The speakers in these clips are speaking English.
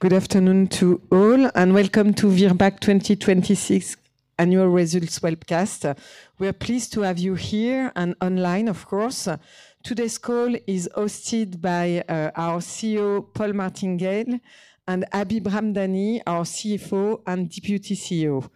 Good afternoon to all, and welcome to Virbac 2026 Annual Results Webcast. We are pleased to have you here and online, of course. Today's call is hosted by our CEO, Paul Martingell, and Habib Ramdani, our CFO and Deputy CEO.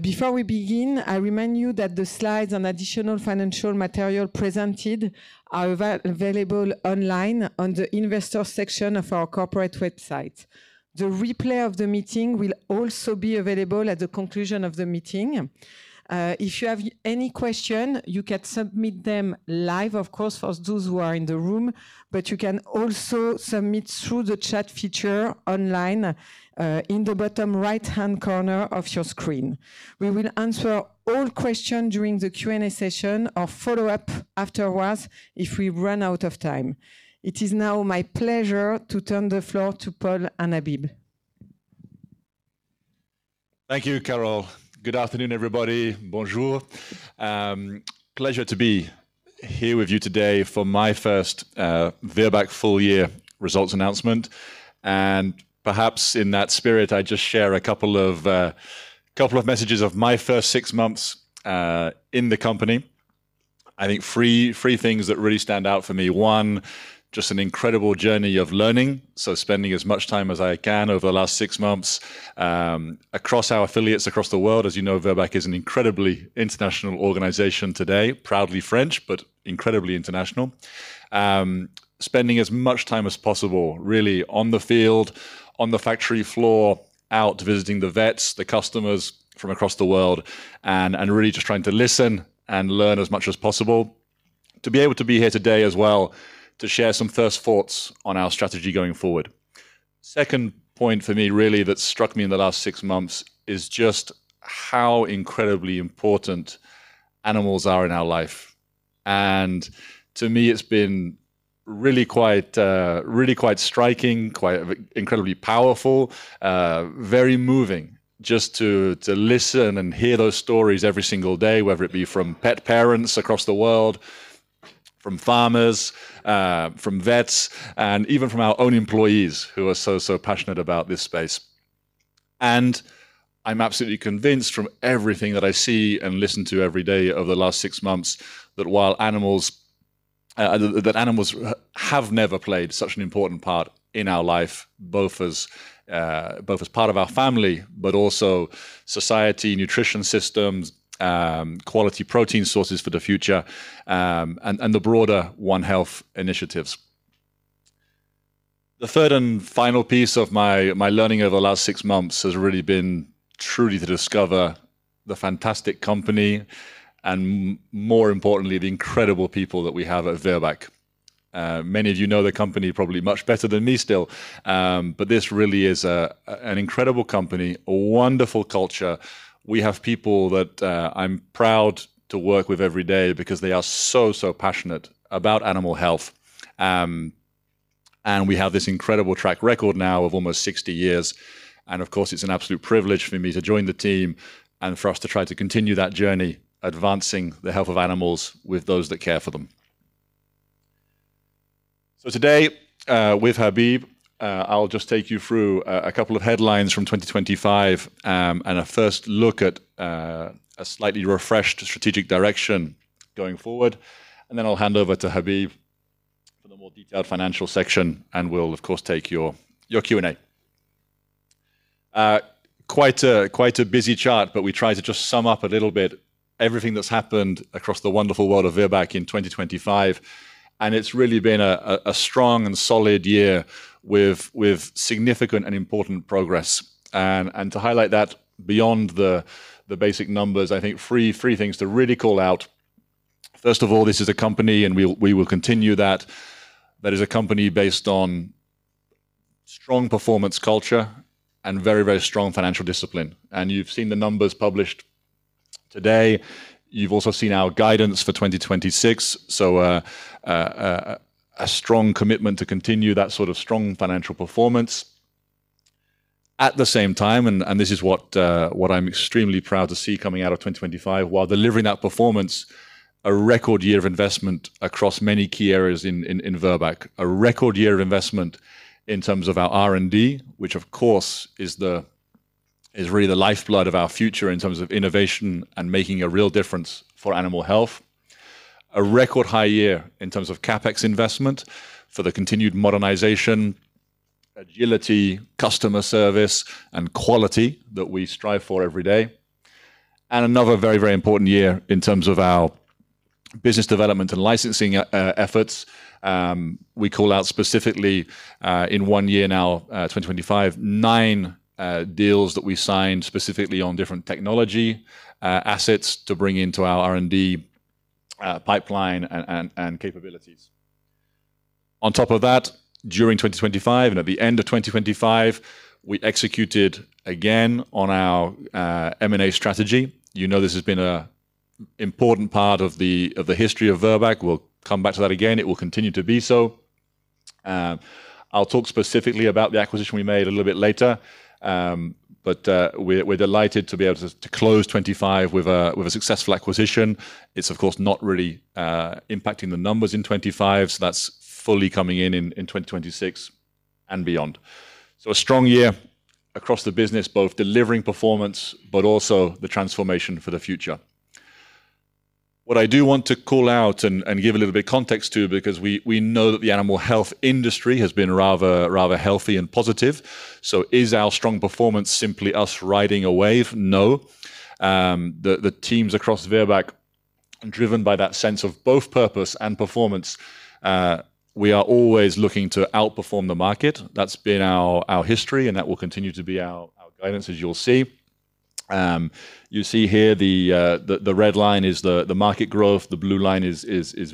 Before we begin, I remind you that the slides and additional financial material presented are available online on the investor section of our corporate website. The replay of the meeting will also be available at the conclusion of the meeting. If you have any question, you can submit them live, of course, for those who are in the room, but you can also submit through the chat feature online in the bottom right-hand corner of your screen. We will answer all questions during the Q&A session or follow up afterwards if we run out of time. It is now my pleasure to turn the floor to Paul Martingell and Habib Ramdani. Thank you, Carole. Good afternoon, everybody. Bonjour. Pleasure to be here with you today for my first Virbac full year results announcement. Perhaps in that spirit, I just share a couple of messages of my first six months in the company. I think three things that really stand out for me. One, just an incredible journey of learning, so spending as much time as I can over the last six months across our affiliates across the world. As you know, Virbac is an incredibly international organization today, proudly French, but incredibly international. Spending as much time as possible really on the field, on the factory floor, out visiting the vets, the customers from across the world, and really just trying to listen and learn as much as possible. To be able to be here today as well, to share some first thoughts on our strategy going forward. Second point for me really that struck me in the last six months is just how incredibly important animals are in our life. To me, it's been really quite striking, quite incredibly powerful, very moving just to listen and hear those stories every single day, whether it be from pet parents across the world, from farmers, from vets, and even from our own employees who are so passionate about this space. I'm absolutely convinced from everything that I see and listen to every day over the last six months, that while animals... That animals have never played such an important part in our life, both as part of our family, but also society, nutrition systems, quality protein sources for the future, and the broader One Health initiatives. The third and final piece of my learning over the last six months has really been truly to discover the fantastic company and more importantly, the incredible people that we have at Virbac. Many of you know the company probably much better than me still, but this really is an incredible company, a wonderful culture. We have people that I'm proud to work with every day because they are so passionate about animal health. We have this incredible track record now of almost 60 years. Of course, it's an absolute privilege for me to join the team and for us to try to continue that journey, advancing the health of animals with those that care for them. Today, with Habib, I'll just take you through a couple of headlines from 2025, and a first look at a slightly refreshed strategic direction going forward. Then I'll hand over to Habib for the more detailed financial section, and we'll of course take your Q&A. Quite a busy chart, but we try to just sum up a little bit everything that's happened across the wonderful world of Virbac in 2025. It's really been a strong and solid year with significant and important progress. To highlight that beyond the basic numbers, I think three things to really call out. First of all, this is a company, and we will continue that. That is a company based on strong performance culture and very, very strong financial discipline. You've seen the numbers published today. You've also seen our guidance for 2026. A strong commitment to continue that sort of strong financial performance. At the same time, this is what I'm extremely proud to see coming out of 2025, while delivering that performance, a record year of investment across many key areas in Virbac. A record year of investment in terms of our R&D, which of course is really the lifeblood of our future in terms of innovation and making a real difference for animal health. A record high year in terms of CapEx investment for the continued modernization, agility, customer service, and quality that we strive for every day. Another very, very important year in terms of our business development and licensing efforts. We call out specifically in one year now, 2025, nine deals that we signed specifically on different technology assets to bring into our R&D pipeline and capabilities. On top of that, during 2025 and at the end of 2025, we executed again on our M&A strategy. You know this has been a important part of the history of Virbac. We'll come back to that again. It will continue to be so. I'll talk specifically about the acquisition we made a little bit later. We're delighted to be able to close 2025 with a successful acquisition. It's of course not really impacting the numbers in 2025, so that's fully coming in 2026 and beyond. A strong year across the business, both delivering performance but also the transformation for the future. What I do want to call out and give a little bit of context to, because we know that the animal health industry has been rather healthy and positive. Is our strong performance simply us riding a wave? No. The teams across Virbac are driven by that sense of both purpose and performance. We are always looking to outperform the market. That's been our history, and that will continue to be our guidance, as you'll see. You see here the red line is the market growth, the blue line is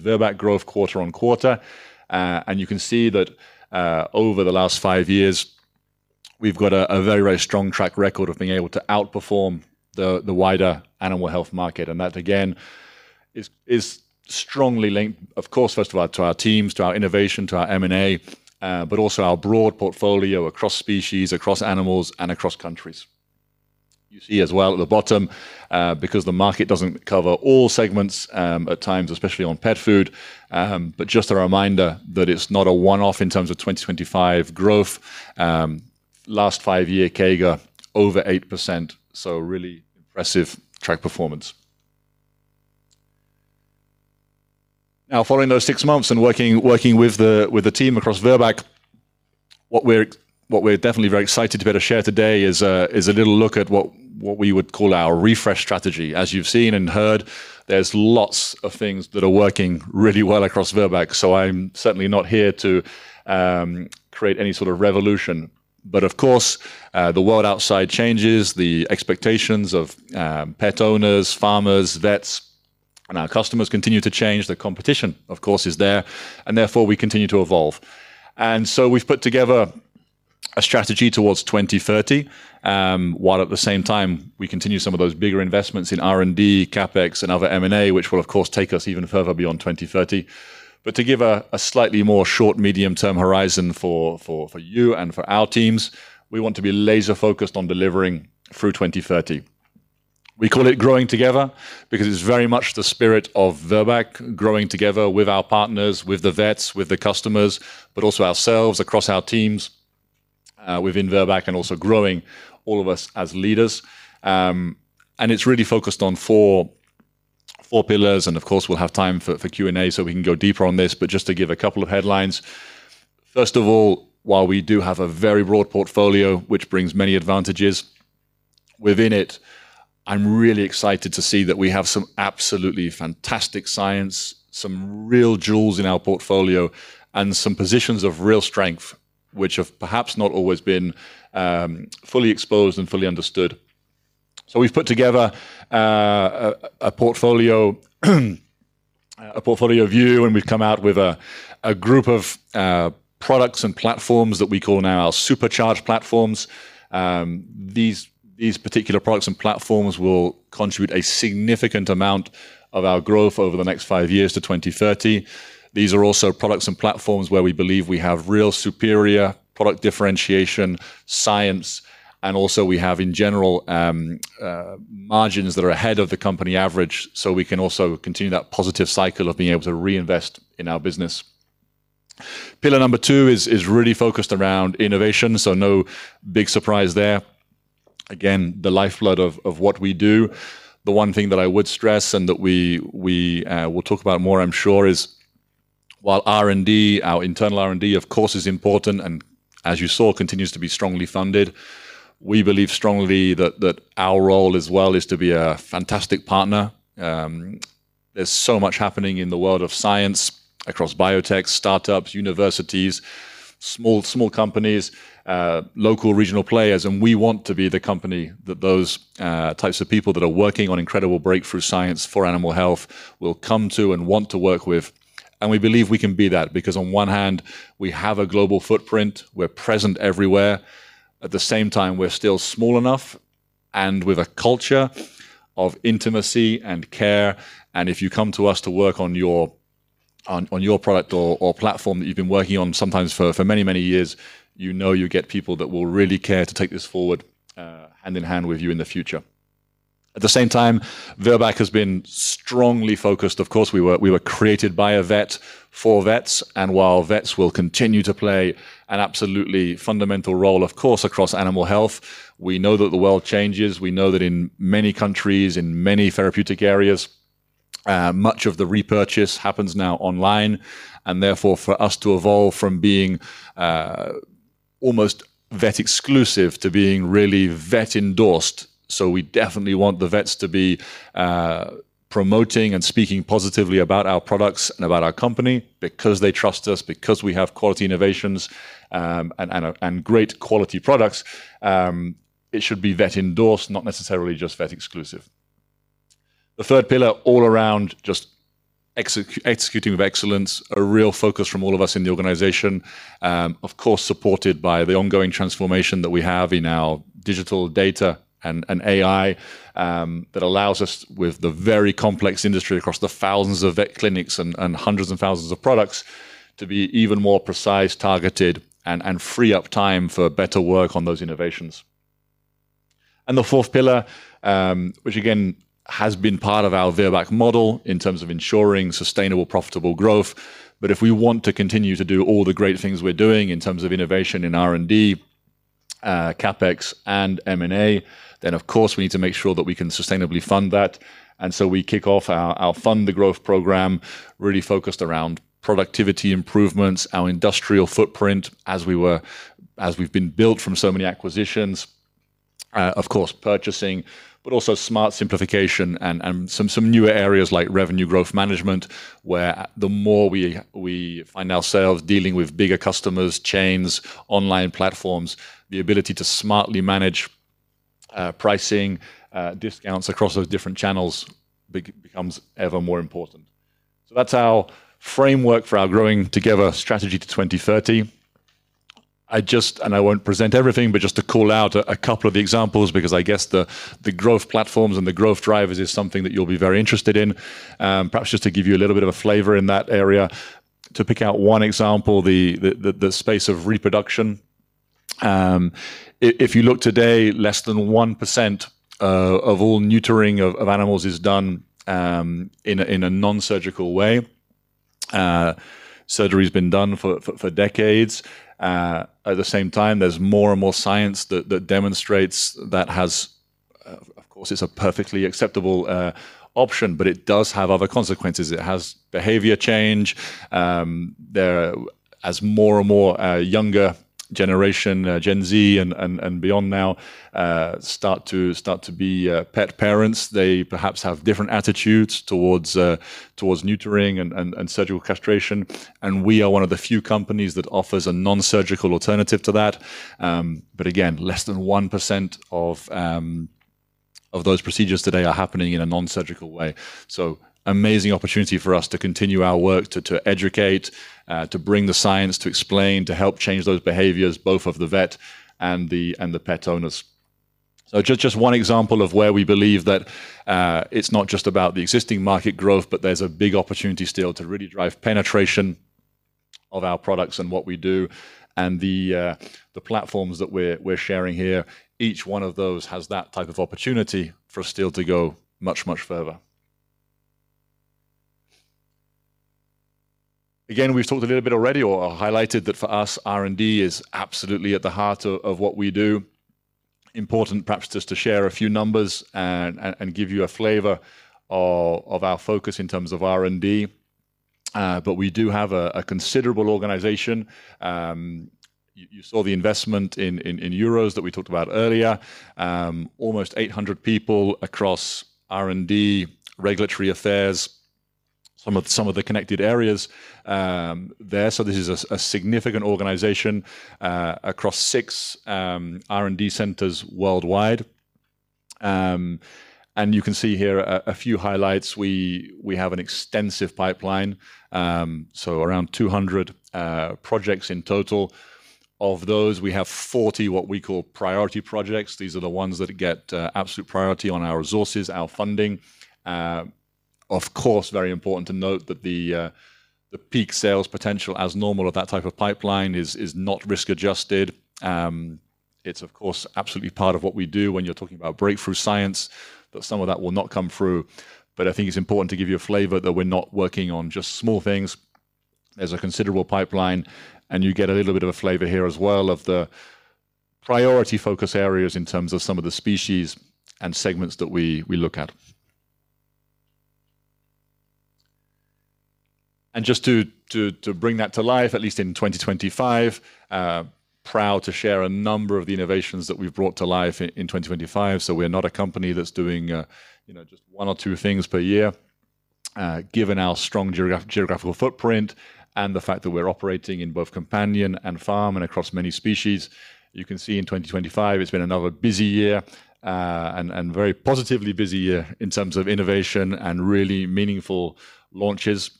Virbac growth quarter-on-quarter. You can see that over the last five years, we've got a very strong track record of being able to outperform the wider animal health market. That, again, is strongly linked, of course, first of all, to our teams, to our innovation, to our M&A, but also our broad portfolio across species, across animals, and across countries. You see as well at the bottom, because the market doesn't cover all segments, at times, especially on pet food, but just a reminder that it's not a one-off in terms of 2025 growth. Last five-year CAGR over 8%, so really impressive track performance. Now following those six months and working with the team across Virbac, what we're definitely very excited to be able to share today is a little look at what we would call our refresh strategy. As you've seen and heard, there's lots of things that are working really well across Virbac, so I'm certainly not here to create any sort of revolution. But of course, the world outside changes. The expectations of pet owners, farmers, vets, and our customers continue to change. The competition, of course, is there, and therefore, we continue to evolve. We've put together a strategy towards 2030, while at the same time we continue some of those bigger investments in R&D, CapEx, and other M&A, which will of course take us even further beyond 2030. To give a slightly more short, medium-term horizon for you and for our teams, we want to be laser-focused on delivering through 2030. We call it Growing Together because it's very much the spirit of Virbac growing together with our partners, with the vets, with the customers, but also ourselves across our teams within Virbac, and also growing all of us as leaders. It's really focused on four pillars, and of course, we'll have time for Q&A, so we can go deeper on this, but just to give a couple of headlines. First of all, while we do have a very broad portfolio, which brings many advantages, within it, I'm really excited to see that we have some absolutely fantastic science, some real jewels in our portfolio, and some positions of real strength, which have perhaps not always been fully exposed and fully understood. We've put together a portfolio view, and we've come out with a group of products and platforms that we call now our supercharged platforms. These particular products and platforms will contribute a significant amount of our growth over the next five years to 2030. These are also products and platforms where we believe we have real superior product differentiation, science, and also we have in general, margins that are ahead of the company average, so we can also continue that positive cycle of being able to reinvest in our business. Pillar number two is really focused around innovation, so no big surprise there. Again, the lifeblood of what we do. The one thing that I would stress and that we will talk about more, I'm sure, is while R&D, our internal R&D, of course, is important, and as you saw, continues to be strongly funded, we believe strongly that our role as well is to be a fantastic partner. There's so much happening in the world of science across biotech, startups, universities, small companies, local regional players, and we want to be the company that those types of people that are working on incredible breakthrough science for animal health will come to and want to work with. We believe we can be that because on one hand, we have a global footprint, we're present everywhere. At the same time, we're still small enough and with a culture of intimacy and care, and if you come to us to work on your product or platform that you've been working on sometimes for many years, you know you'll get people that will really care to take this forward, hand in hand with you in the future. At the same time, Virbac has been strongly focused. Of course, we were created by a vet for vets, while vets will continue to play an absolutely fundamental role, of course, across animal health, we know that the world changes. We know that in many countries, in many therapeutic areas, much of the repurchase happens now online. Therefore, for us to evolve from being almost vet exclusive to being really vet endorsed, we definitely want the vets to be promoting and speaking positively about our products and about our company because they trust us, because we have quality innovations, and great quality products. It should be vet endorsed, not necessarily just vet exclusive. The third pillar all around just executing with excellence, a real focus from all of us in the organization, of course, supported by the ongoing transformation that we have in our digital data and AI, that allows us with the very complex industry across the thousands of vet clinics and hundreds and thousands of products to be even more precise, targeted, and free up time for better work on those innovations. The fourth pillar, which again has been part of our Virbac model in terms of ensuring sustainable, profitable growth, but if we want to continue to do all the great things we're doing in terms of innovation in R&D, CapEx and M&A, then of course, we need to make sure that we can sustainably fund that. We kick off our Fund our Growth program really focused around productivity improvements, our industrial footprint as we've been built from so many acquisitions, of course, purchasing, but also smart simplification and some newer areas like revenue growth management, where the more we find ourselves dealing with bigger customers, chains, online platforms, the ability to smartly manage pricing, discounts across those different channels becomes ever more important. That's our framework for our Growing Together strategy to 2030. I just won't present everything, but just to call out a couple of the examples, because I guess the growth platforms and the growth drivers is something that you'll be very interested in. Perhaps just to give you a little bit of a flavor in that area, to pick out one example, the space of reproduction. If you look today, less than 1% of all neutering of animals is done in a nonsurgical way. Surgery's been done for decades. At the same time, there's more and more science that demonstrates that has, of course, it's a perfectly acceptable option, but it does have other consequences. It has behavior change. As more and more younger generation, Gen Z and beyond now start to be pet parents, they perhaps have different attitudes towards neutering and surgical castration. We are one of the few companies that offers a nonsurgical alternative to that. Again, less than 1% of those procedures today are happening in a nonsurgical way. Amazing opportunity for us to continue our work to educate, to bring the science, to explain, to help change those behaviors, both of the vet and the pet owners. Just one example of where we believe that it's not just about the existing market growth, but there's a big opportunity still to really drive penetration of our products and what we do and the platforms that we're sharing here. Each one of those has that type of opportunity for us still to go much further. Again, we've talked a little bit already or highlighted that for us, R&D is absolutely at the heart of what we do. Important perhaps just to share a few numbers and give you a flavor of our focus in terms of R&D. We do have a considerable organization. You saw the investment in euros that we talked about earlier. Almost 800 people across R&D, regulatory affairs, some of the connected areas there. This is a significant organization across six R&D centers worldwide. You can see here a few highlights. We have an extensive pipeline, so around 200 projects in total. Of those, we have 40 what we call priority projects. These are the ones that get absolute priority on our resources, our funding. Of course, very important to note that the peak sales potential as normal of that type of pipeline is not risk-adjusted. It's of course, absolutely part of what we do when you're talking about breakthrough science, but some of that will not come through. I think it's important to give you a flavor that we're not working on just small things. There's a considerable pipeline, and you get a little bit of a flavor here as well of the priority focus areas in terms of some of the species and segments that we look at. Just to bring that to life, at least in 2025, proud to share a number of the innovations that we've brought to life in 2025. We're not a company that's doing, you know, just one or two things per year. Given our strong geographical footprint and the fact that we're operating in both companion and farm and across many species, you can see in 2025, it's been another busy year, and very positively busy year in terms of innovation and really meaningful launches.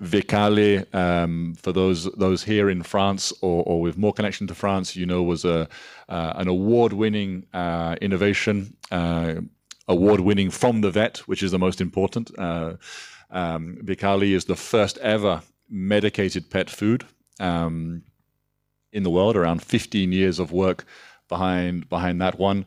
Vikaly, for those here in France or with more connection to France, you know, was an award-winning innovation, award-winning from the vet, which is the most important. Vikaly is the first ever medicated pet food in the world, around 15 years of work behind that one.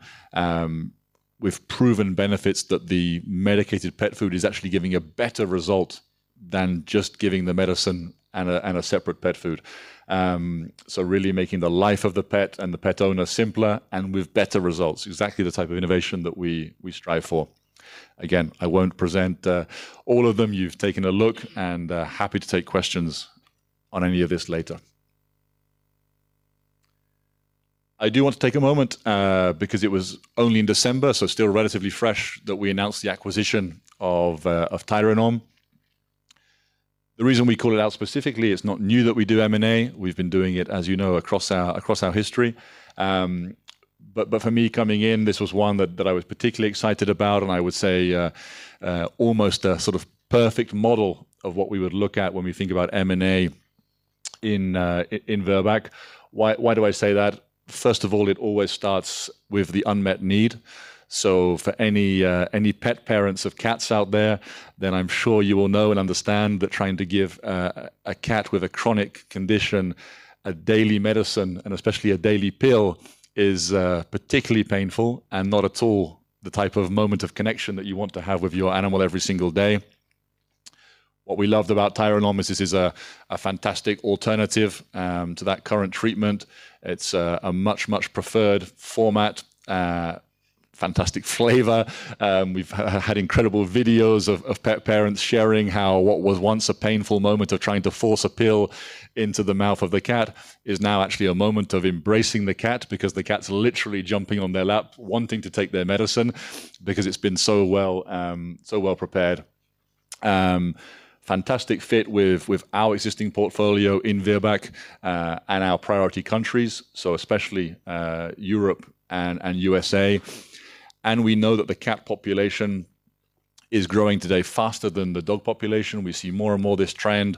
With proven benefits that the medicated pet food is actually giving a better result than just giving the medicine and a separate pet food. Really making the life of the pet and the pet owner simpler and with better results. Exactly the type of innovation that we strive for. Again, I won't present all of them. You've taken a look, and happy to take questions on any of this later. I do want to take a moment because it was only in December, so still relatively fresh, that we announced the acquisition of Thyronorm. The reason we call it out specifically, it's not new that we do M&A. We've been doing it, as you know, across our history. But for me coming in, this was one that I was particularly excited about, and I would say almost a sort of perfect model of what we would look at when we think about M&A in Virbac. Why do I say that? First of all, it always starts with the unmet need. For any pet parents of cats out there, I'm sure you will know and understand that trying to give a cat with a chronic condition a daily medicine, and especially a daily pill, is particularly painful and not at all the type of moment of connection that you want to have with your animal every single day. What we loved about Thyronorm is this is a fantastic alternative to that current treatment. It's a much preferred format, a fantastic flavor. We've had incredible videos of pet parents sharing how what was once a painful moment of trying to force a pill into the mouth of the cat is now actually a moment of embracing the cat because the cat's literally jumping on their lap, wanting to take their medicine because it's been so well prepared. Fantastic fit with our existing portfolio in Virbac and our priority countries, so especially Europe and U.S.A. We know that the cat population is growing today faster than the dog population. We see more and more this trend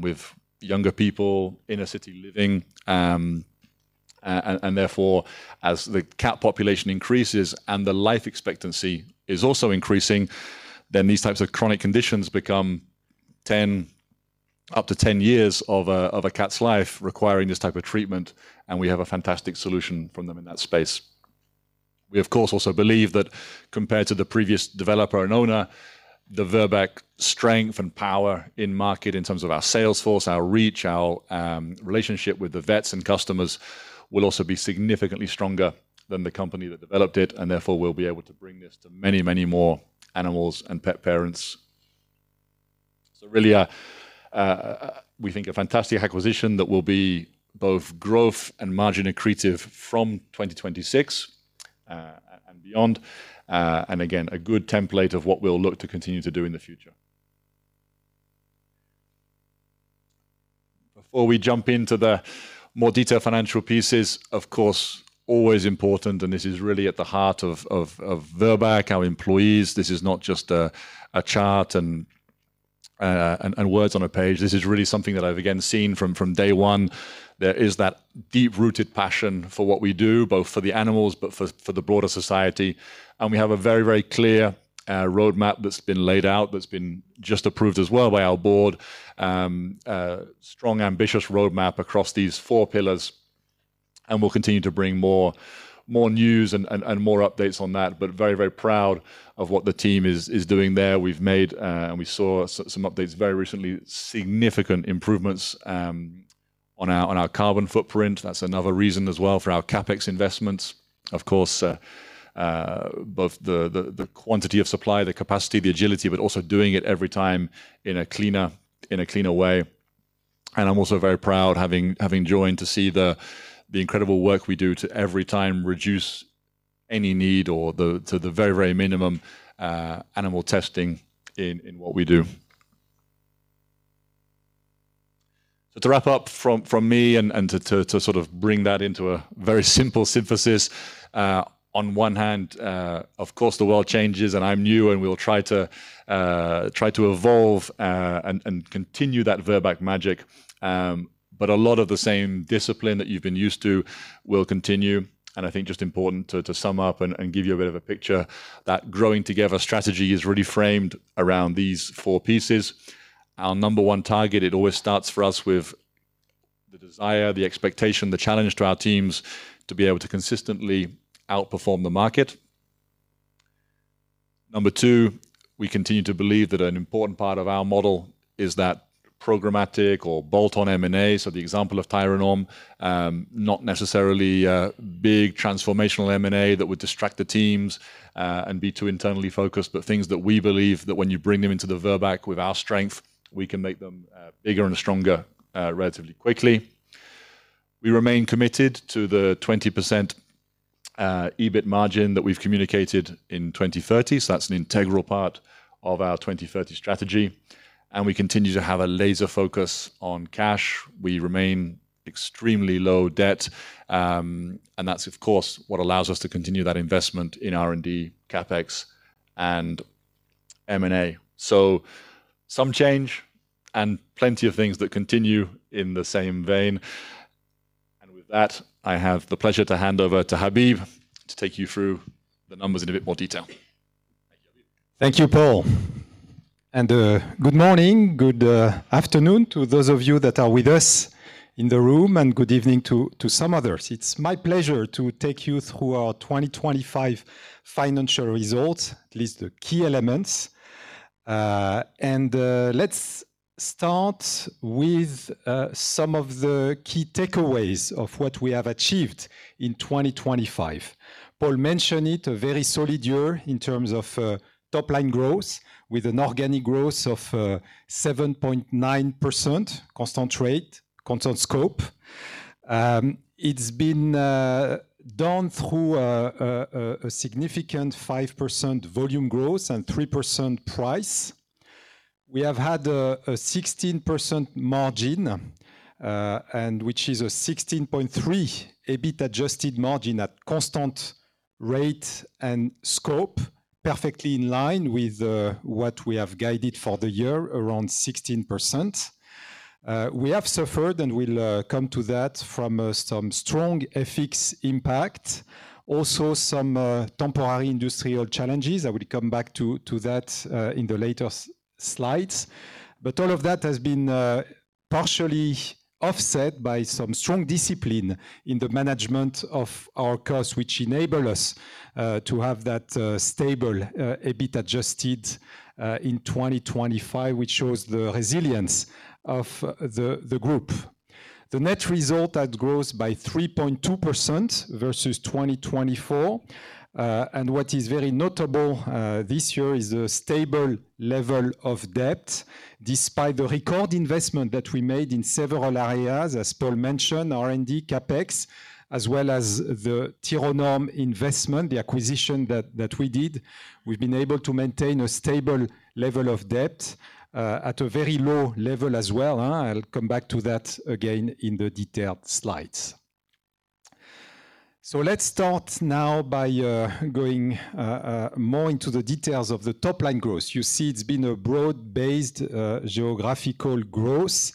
with younger people inner city living and therefore as the cat population increases and the life expectancy is also increasing, then these types of chronic conditions become up to 10 years of a cat's life requiring this type of treatment, and we have a fantastic solution from them in that space. We, of course, also believe that compared to the previous developer and owner, the Virbac strength and power in market in terms of our sales force, our reach, our relationship with the vets and customers will also be significantly stronger than the company that developed it, and therefore we'll be able to bring this to many, many more animals and pet parents. Really, we think a fantastic acquisition that will be both growth and margin accretive from 2026 and beyond, and again, a good template of what we'll look to continue to do in the future. Before we jump into the more detailed financial pieces, of course, always important, and this is really at the heart of Virbac, our employees. This is not just a chart and words on a page. This is really something that I've again seen from day one. There is that deep-rooted passion for what we do, both for the animals, but for the broader society, and we have a very clear roadmap that's been laid out, that's been just approved as well by our board. A strong, ambitious roadmap across these four pillars, and we'll continue to bring more news and more updates on that, but very proud of what the team is doing there. We've made, and we saw some updates very recently, significant improvements on our carbon footprint. That's another reason as well for our CapEx investments. Of course, both the quantity of supply, the capacity, the agility, but also doing it every time in a cleaner way. I'm also very proud having joined to see the incredible work we do every time to reduce any need to the very minimum animal testing in what we do. To wrap up from me and to sort of bring that into a very simple synthesis, on one hand, of course, the world changes and I'm new and we'll try to evolve and continue that Virbac magic, but a lot of the same discipline that you've been used to will continue. I think just important to sum up and give you a bit of a picture, that Growing Together strategy is really framed around these four pieces. Our number one target, it always starts for us with the desire, the expectation, the challenge to our teams to be able to consistently outperform the market. Number two, we continue to believe that an important part of our model is that programmatic or bolt-on M&A, so the example of Thyronorm, not necessarily a big transformational M&A that would distract the teams, and be too internally focused, but things that we believe that when you bring them into the Virbac with our strength, we can make them, bigger and stronger, relatively quickly. We remain committed to the 20% EBIT margin that we've communicated in 2030, so that's an integral part of our 2030 strategy, and we continue to have a laser focus on cash. We remain extremely low debt, and that's of course what allows us to continue that investment in R&D, CapEx and M&A. Some change and plenty of things that continue in the same vein. With that, I have the pleasure to hand over to Habib to take you through the numbers in a bit more detail. Thank you, Habib. Thank you, Paul. Good morning, good afternoon to those of you that are with us in the room, and good evening to some others. It's my pleasure to take you through our 2025 financial results, at least the key elements. Let's start with some of the key takeaways of what we have achieved in 2025. Paul mentioned it, a very solid year in terms of top line growth with an organic growth of 7.9% constant rate, constant scope. It's been done through a significant 5% volume growth and 3% price. We have had a 16% margin, and which is a 16.3 EBIT adjusted margin at constant rate and scope perfectly in line with what we have guided for the year, around 16%. We have suffered, and we'll come to that from some strong FX impact. Also some temporary industrial challenges. I will come back to that in the later slides. All of that has been partially offset by some strong discipline in the management of our costs, which enable us to have that stable EBIT adjusted in 2025, which shows the resilience of the group. The net result has grown by 3.2% versus 2024. What is very notable this year is the stable level of debt, despite the record investment that we made in several areas, as Paul mentioned, R&D, CapEx, as well as the Thyronorm investment, the acquisition that we did. We've been able to maintain a stable level of debt at a very low level as well. I'll come back to that again in the detailed slides. Let's start now by going more into the details of the top line growth. You see it's been a broad-based geographical growth.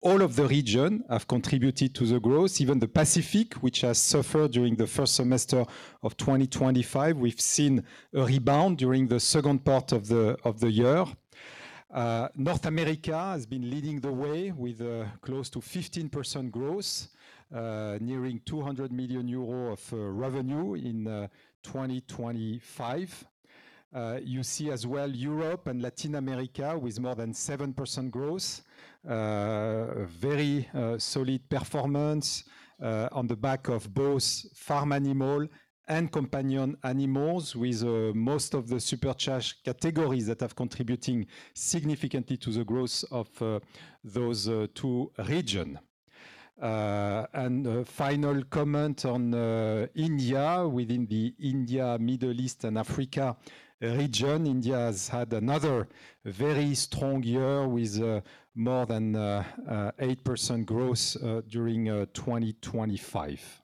All of the region have contributed to the growth, even the Pacific, which has suffered during the first semester of 2025. We've seen a rebound during the second part of the year. North America has been leading the way with close to 15% growth, nearing 200 million euro of revenue in 2025. You see as well Europe and Latin America with more than 7% growth. Very solid performance on the back of both farm animal and companion animals, with most of the supercharged categories that are contributing significantly to the growth of those two region. A final comment on India. Within the India, Middle East, and Africa region, India has had another very strong year with more than 8% growth during 2025.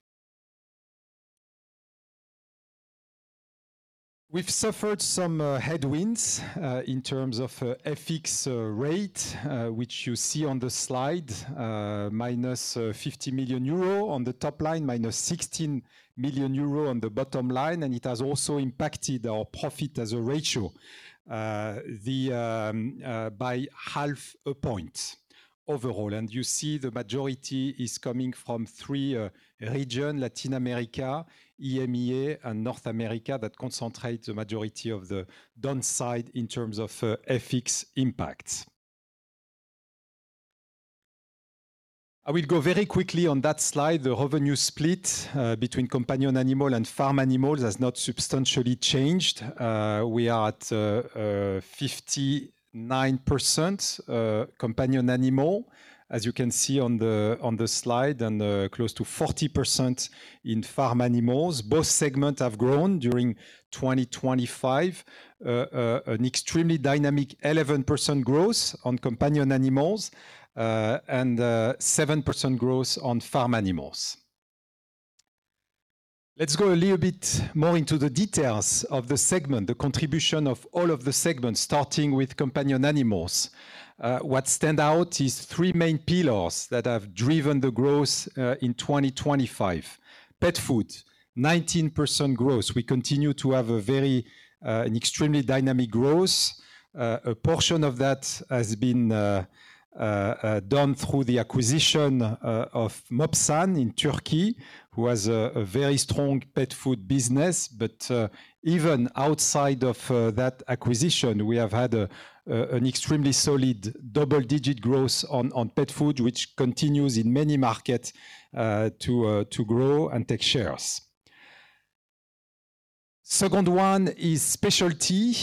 We've suffered some headwinds in terms of FX rate, which you see on the slide, minus 50 million euro on the top line, minus 16 million euro on the bottom line. It has also impacted our profit as a ratio by half a point overall. You see the majority is coming from three regions, Latin America, EMEA, and North America, that concentrate the majority of the downside in terms of FX impact. I will go very quickly on that slide. The revenue split between companion animal and farm animals has not substantially changed. We are at 59% companion animal, as you can see on the slide, and close to 40% in farm animals. Both segments have grown during 2025. An extremely dynamic 11% growth on companion animals, and 7% growth on farm animals. Let's go a little bit more into the details of the segment, the contribution of all of the segments, starting with companion animals. What stand out is three main pillars that have driven the growth in 2025. Pet food, 19% growth. We continue to have a very an extremely dynamic growth. A portion of that has been done through the acquisition of Mopsan in Turkey, who has a very strong pet food business. Even outside of that acquisition, we have had an extremely solid double-digit growth on pet food, which continues in many markets to grow and take shares. Second one is specialty.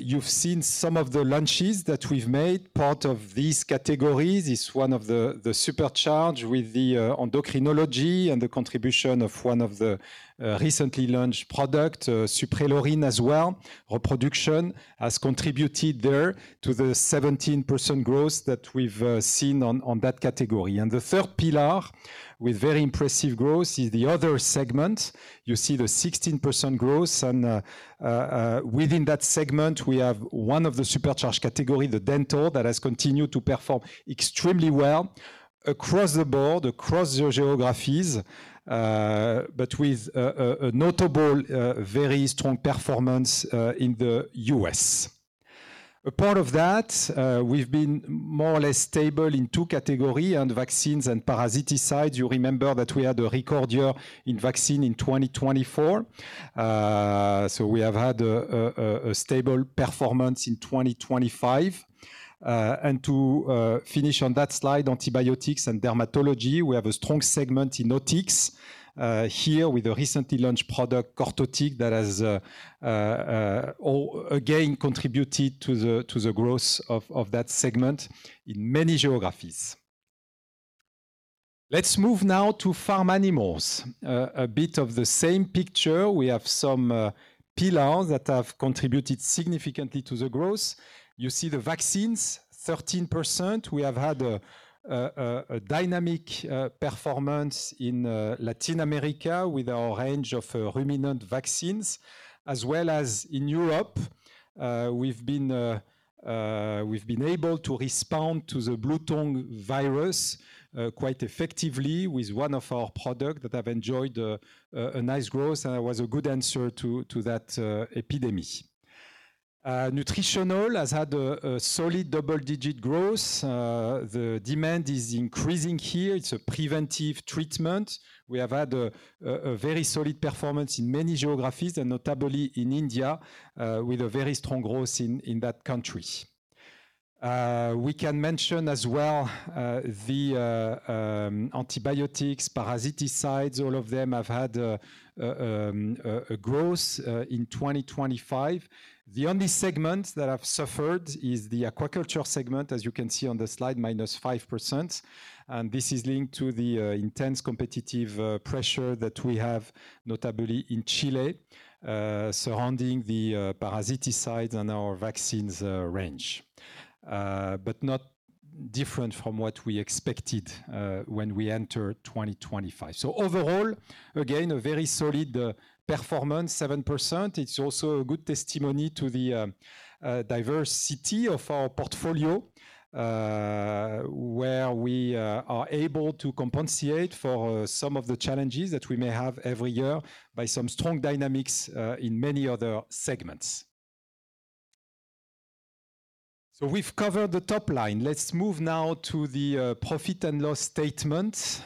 You've seen some of the launches that we've made. Part of these categories is one of the supercharged with the endocrinology and the contribution of one of the recently launched product, Suprelorin as well. Reproduction has contributed there to the 17% growth that we've seen on that category. The third pillar with very impressive growth is the other segment. You see the 16% growth and within that segment, we have one of the supercharged categories, the dental, that has continued to perform extremely well across the board, across the geographies, but with a notable very strong performance in the US. Apart from that, we've been more or less stable in two categories, on vaccines and parasiticides. You remember that we had a record year in vaccine in 2024. We have had a stable performance in 2025. To finish on that slide, antibiotics and dermatology, we have a strong segment in Easotics here with a recently launched product, Cortotic, that has all again contributed to the growth of that segment in many geographies. Let's move now to farm animals. A bit of the same picture. We have some pillars that have contributed significantly to the growth. You see the vaccines, 13%. We have had a dynamic performance in Latin America with our range of ruminant vaccines as well as in Europe. We've been able to respond to the Bluetongue virus quite effectively with one of our products that have enjoyed a nice growth and was a good answer to that epidemic. Nutritional has had a solid double-digit growth. The demand is increasing here. It's a preventive treatment. We have had a very solid performance in many geographies, and notably in India, with a very strong growth in that country. We can mention as well the antibiotics, parasiticides, all of them have had a growth in 2025. The only segment that have suffered is the aquaculture segment, as you can see on the slide, -5%. This is linked to the intense competitive pressure that we have, notably in Chile, surrounding the parasiticides and our vaccines range. Not different from what we expected when we entered 2025. Overall, again, a very solid performance, 7%. It's also a good testimony to the diversity of our portfolio, where we are able to compensate for some of the challenges that we may have every year by some strong dynamics in many other segments. We've covered the top line. Let's move now to the profit and loss statement.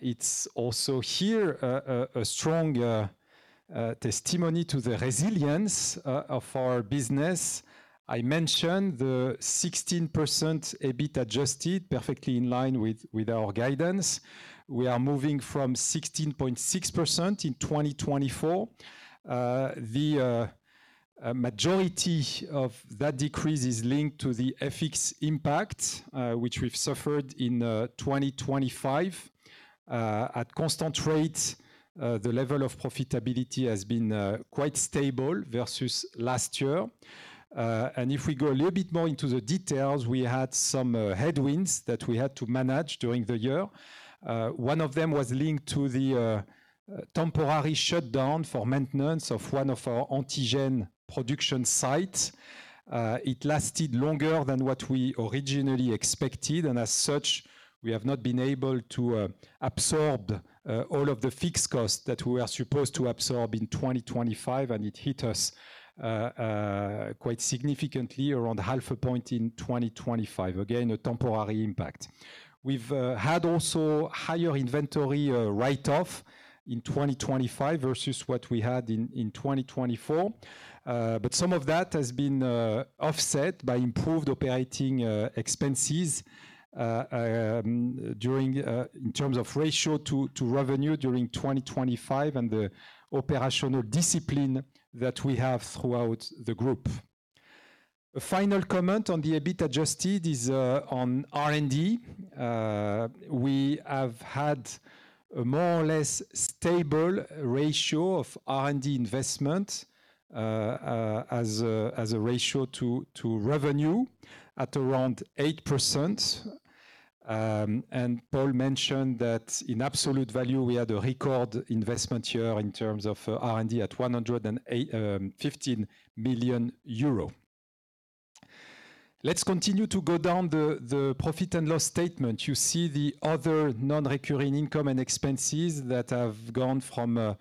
It's also here a strong testimony to the resilience of our business. I mentioned the 16% EBIT Adjusted perfectly in line with our guidance. We are moving from 16.6% in 2024. The majority of that decrease is linked to the FX impact, which we've suffered in 2025. At constant rate, the level of profitability has been quite stable versus last year. If we go a little bit more into the details, we had some headwinds that we had to manage during the year. One of them was linked to the temporary shutdown for maintenance of one of our antigen production sites. It lasted longer than what we originally expected, and as such, we have not been able to absorb all of the fixed costs that we were supposed to absorb in 2025, and it hit us quite significantly around half a point in 2025. Again, a temporary impact. We've had also higher inventory write-off in 2025 versus what we had in 2024. Some of that has been offset by improved operating expenses in terms of ratio to revenue during 2025 and the operational discipline that we have throughout the group. A final comment on the EBIT adjusted is on R&D. We have had a more or less stable ratio of R&D investment as a ratio to revenue at around 8%. Paul mentioned that in absolute value, we had a record investment here in terms of R&D at 108.15 million euro. Let's continue to go down the profit and loss statement. You see the other non-recurring income and expenses that have gone from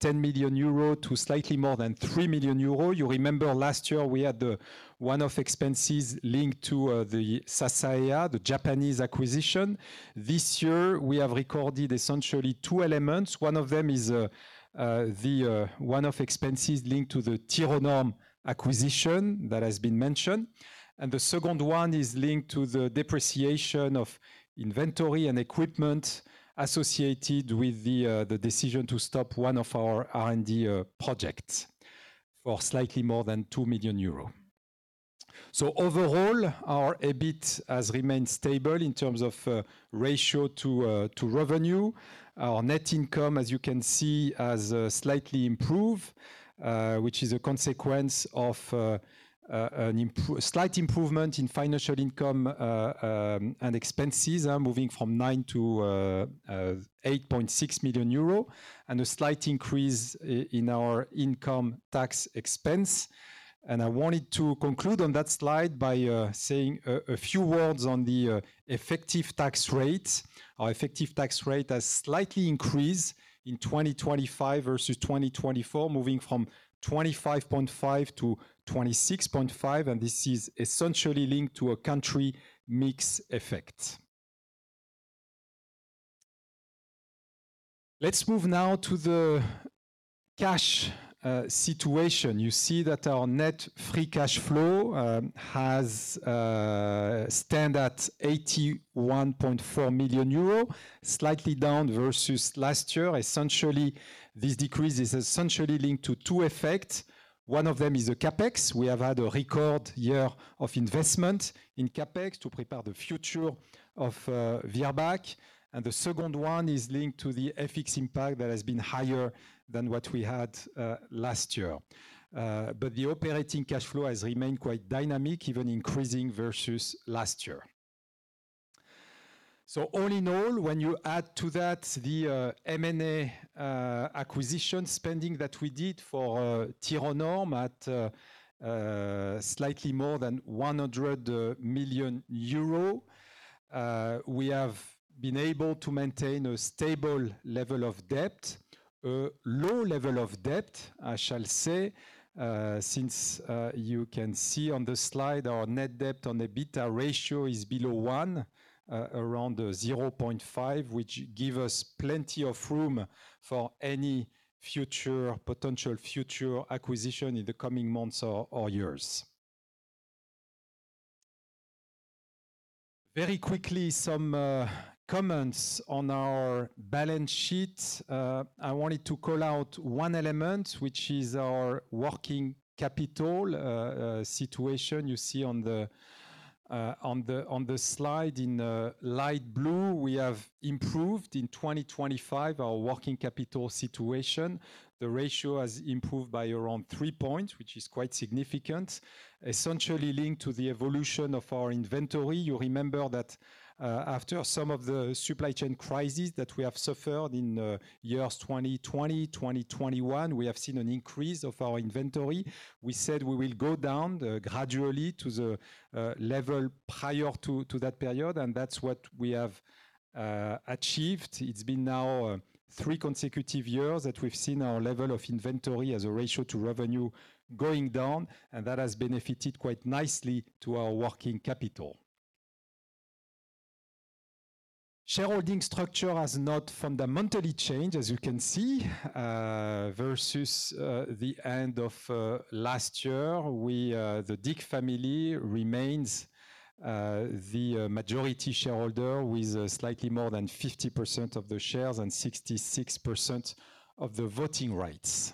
10 million euro to slightly more than 3 million euro. You remember last year we had the one-off expenses linked to the Sasaeah, the Japanese acquisition. This year we have recorded essentially two elements. One of them is the one-off expenses linked to the Thyronorm acquisition that has been mentioned. The second one is linked to the depreciation of inventory and equipment associated with the decision to stop one of our R&D projects for slightly more than 2 million euros. Overall, our EBIT has remained stable in terms of ratio to revenue. Our net income, as you can see, has slightly improved, which is a consequence of a slight improvement in financial income and expenses, moving from 9 million-8.6 million euro, and a slight increase in our income tax expense. I wanted to conclude on that slide by saying a few words on the effective tax rate. Our effective tax rate has slightly increased in 2025 versus 2024, moving from 25.5%-26.5%, and this is essentially linked to a country mix effect. Let's move now to the cash situation. You see that our net free cash flow has stood at 81.4 million euro, slightly down versus last year. Essentially, this decrease is essentially linked to two effects. One of them is the CapEx. We have had a record year of investment in CapEx to prepare the future of Virbac. The second one is linked to the FX impact that has been higher than what we had last year. The operating cash flow has remained quite dynamic, even increasing versus last year. All in all, when you add to that the M&A acquisition spending that we did for Thyronorm at slightly more than 100 million euro, we have been able to maintain a stable level of debt. A low level of debt, I shall say, since you can see on the slide, our net debt on EBITDA ratio is below one, around 0.5, which give us plenty of room for any future acquisition in the coming months or years. Very quickly, some comments on our balance sheet. I wanted to call out one element, which is our working capital situation. You see on the slide in light blue, we have improved in 2025 our working capital situation. The ratio has improved by around three points, which is quite significant, essentially linked to the evolution of our inventory. You remember that after some of the supply chain crises that we have suffered in years 2020, 2021, we have seen an increase of our inventory. We said we will go down gradually to the level prior to that period, and that's what we have achieved. It's been now three consecutive years that we've seen our level of inventory as a ratio to revenue going down, and that has benefited quite nicely to our working capital. Shareholding structure has not fundamentally changed, as you can see. Versus the end of last year, the Dick family remains the majority shareholder with slightly more than 50% of the shares and 66% of the voting rights.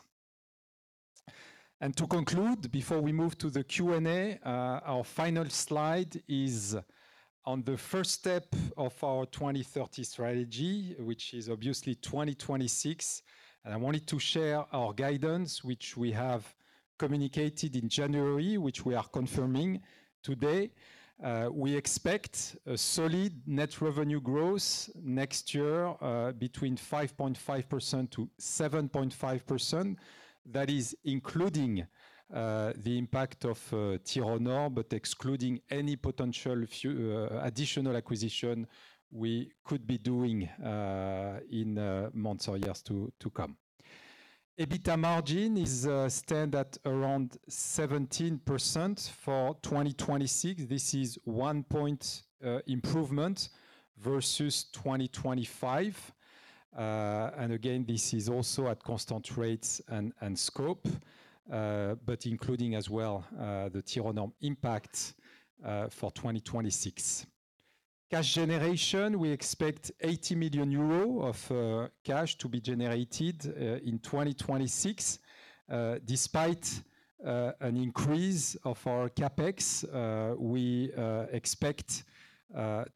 To conclude, before we move to the Q&A, our final slide is on the first step of our 2030 strategy, which is obviously 2026. I wanted to share our guidance, which we have communicated in January, which we are confirming today. We expect a solid net revenue growth next year between 5.5%-7.5%. That is including the impact of Thyronorm, but excluding any potential additional acquisition we could be doing in months or years to come. EBITDA margin is to stand at around 17% for 2026. This is one-point improvement versus 2025. And again, this is also at constant rates and scope, but including as well, the Thyronorm impact, for 2026. Cash generation, we expect 80 million euros of cash to be generated in 2026. Despite an increase of our CapEx, we expect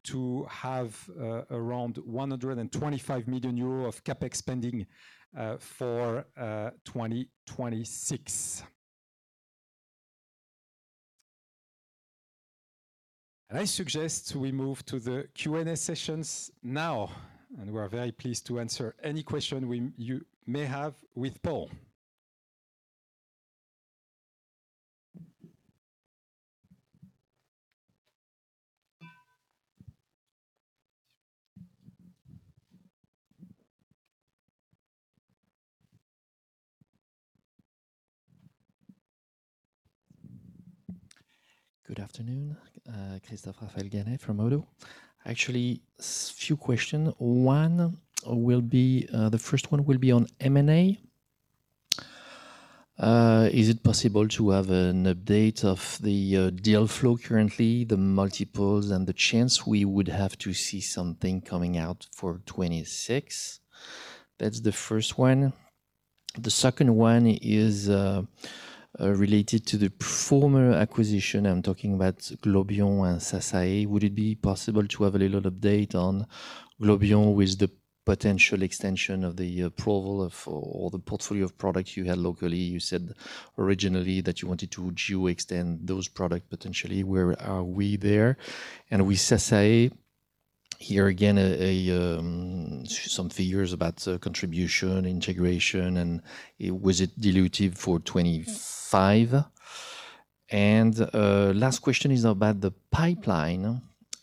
to have around 125 million euro of CapEx spending for 2026. I suggest we move to the Q&A sessions now, and we're very pleased to answer any question you may have with Paul. Good afternoon, Christophe-Raphaël Ganet from ODDO actually, two questions, one is from M&A is it possible to have an update of the deal flow currently, the multiples and the chance we would have to see something coming out for 2026? That's the first one. The second one is related to the former acquisition. I'm talking about Globion and Sasaeah. Would it be possible to have a little update on Globion with the potential extension of the approval of all the portfolio of products you had locally? You said originally that you wanted to geographically extend those products potentially. Where are we there? And with Sasaeah, here again, some figures about the contribution, integration, and was it dilutive for 2025? Last question is about the pipeline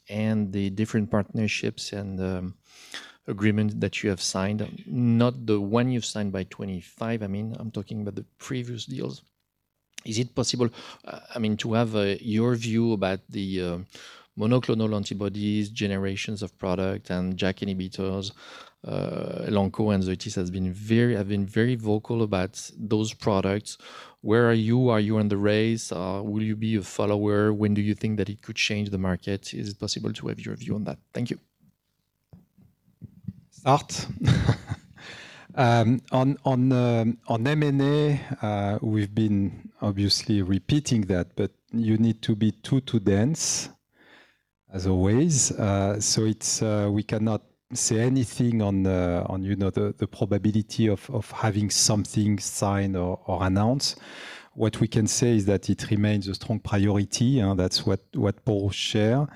and the different partnerships and agreement that you have signed, not the one you've signed by 2025, I mean, I'm talking about the previous deals. Is it possible, I mean, to have your view about the monoclonal antibodies, generations of product, and JAK inhibitors. Elanco and Zoetis have been very vocal about those products. Where are you? Are you in the race? Will you be a follower? When do you think that it could change the market? Is it possible to have your view on that? Thank you. On M&A, we've been obviously repeating that, but you need to be too discreet as always. We cannot say anything on, you know, the probability of having something signed or announced. What we can say is that it remains a strong priority, that's what Paul shared.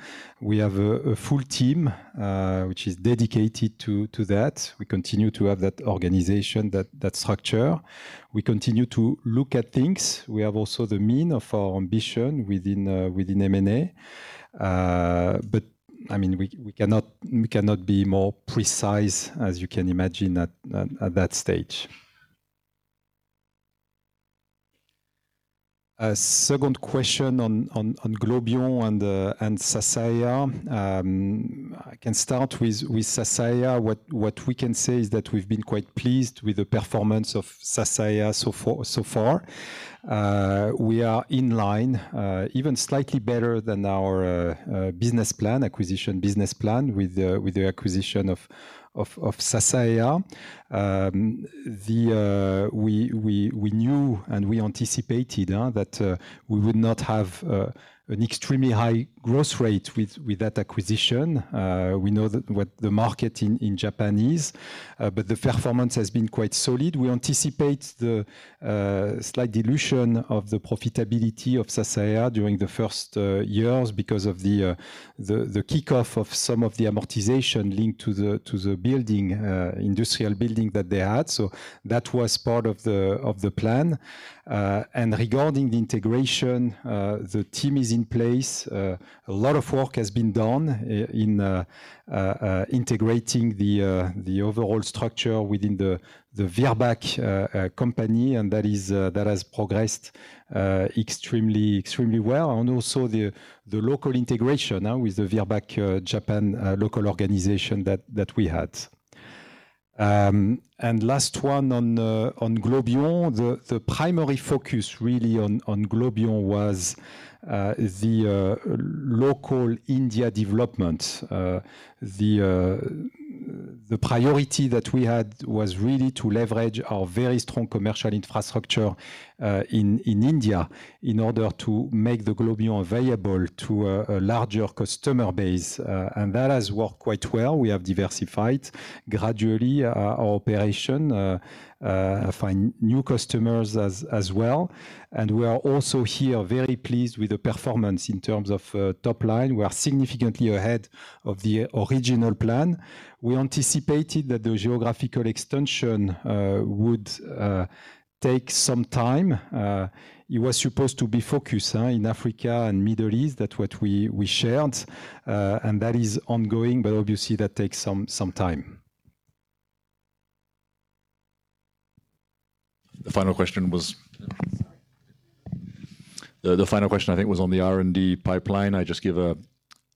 We have a full team which is dedicated to that. We continue to have that organization, that structure. We continue to look at things. We have also the means of our ambition within M&A. But I mean, we cannot be more precise, as you can imagine at that stage. A second question on Globion and Sasaeah. I can start with Sasaeah. What we can say is that we've been quite pleased with the performance of Sasaeah so far. We are in line, even slightly better than our business plan, acquisition business plan with the acquisition of Sasaeah. We knew and we anticipated that we would not have an extremely high growth rate with that acquisition. We know what the market in Japan is, but the performance has been quite solid. We anticipate the slight dilution of the profitability of Sasaeah during the first years because of the kickoff of some of the amortization linked to the building, industrial building that they had. That was part of the plan. Regarding the integration, the team is in place. A lot of work has been done in integrating the overall structure within the Virbac company, and that has progressed extremely well. Also, the local integration now with the Virbac Japan local organization that we had. Last one on Globion. The primary focus really on Globion was the local Indian development. The priority that we had was really to leverage our very strong commercial infrastructure in India in order to make the Globion available to a larger customer base. That has worked quite well. We have diversified gradually our operation find new customers as well. We are also here very pleased with the performance in terms of top line. We are significantly ahead of the original plan. We anticipated that the geographical extension would take some time. It was supposed to be focused in Africa and Middle East, that's what we shared, and that is ongoing, but obviously that takes some time. The final question was. The final question I think was on the R&D pipeline. I'll just give a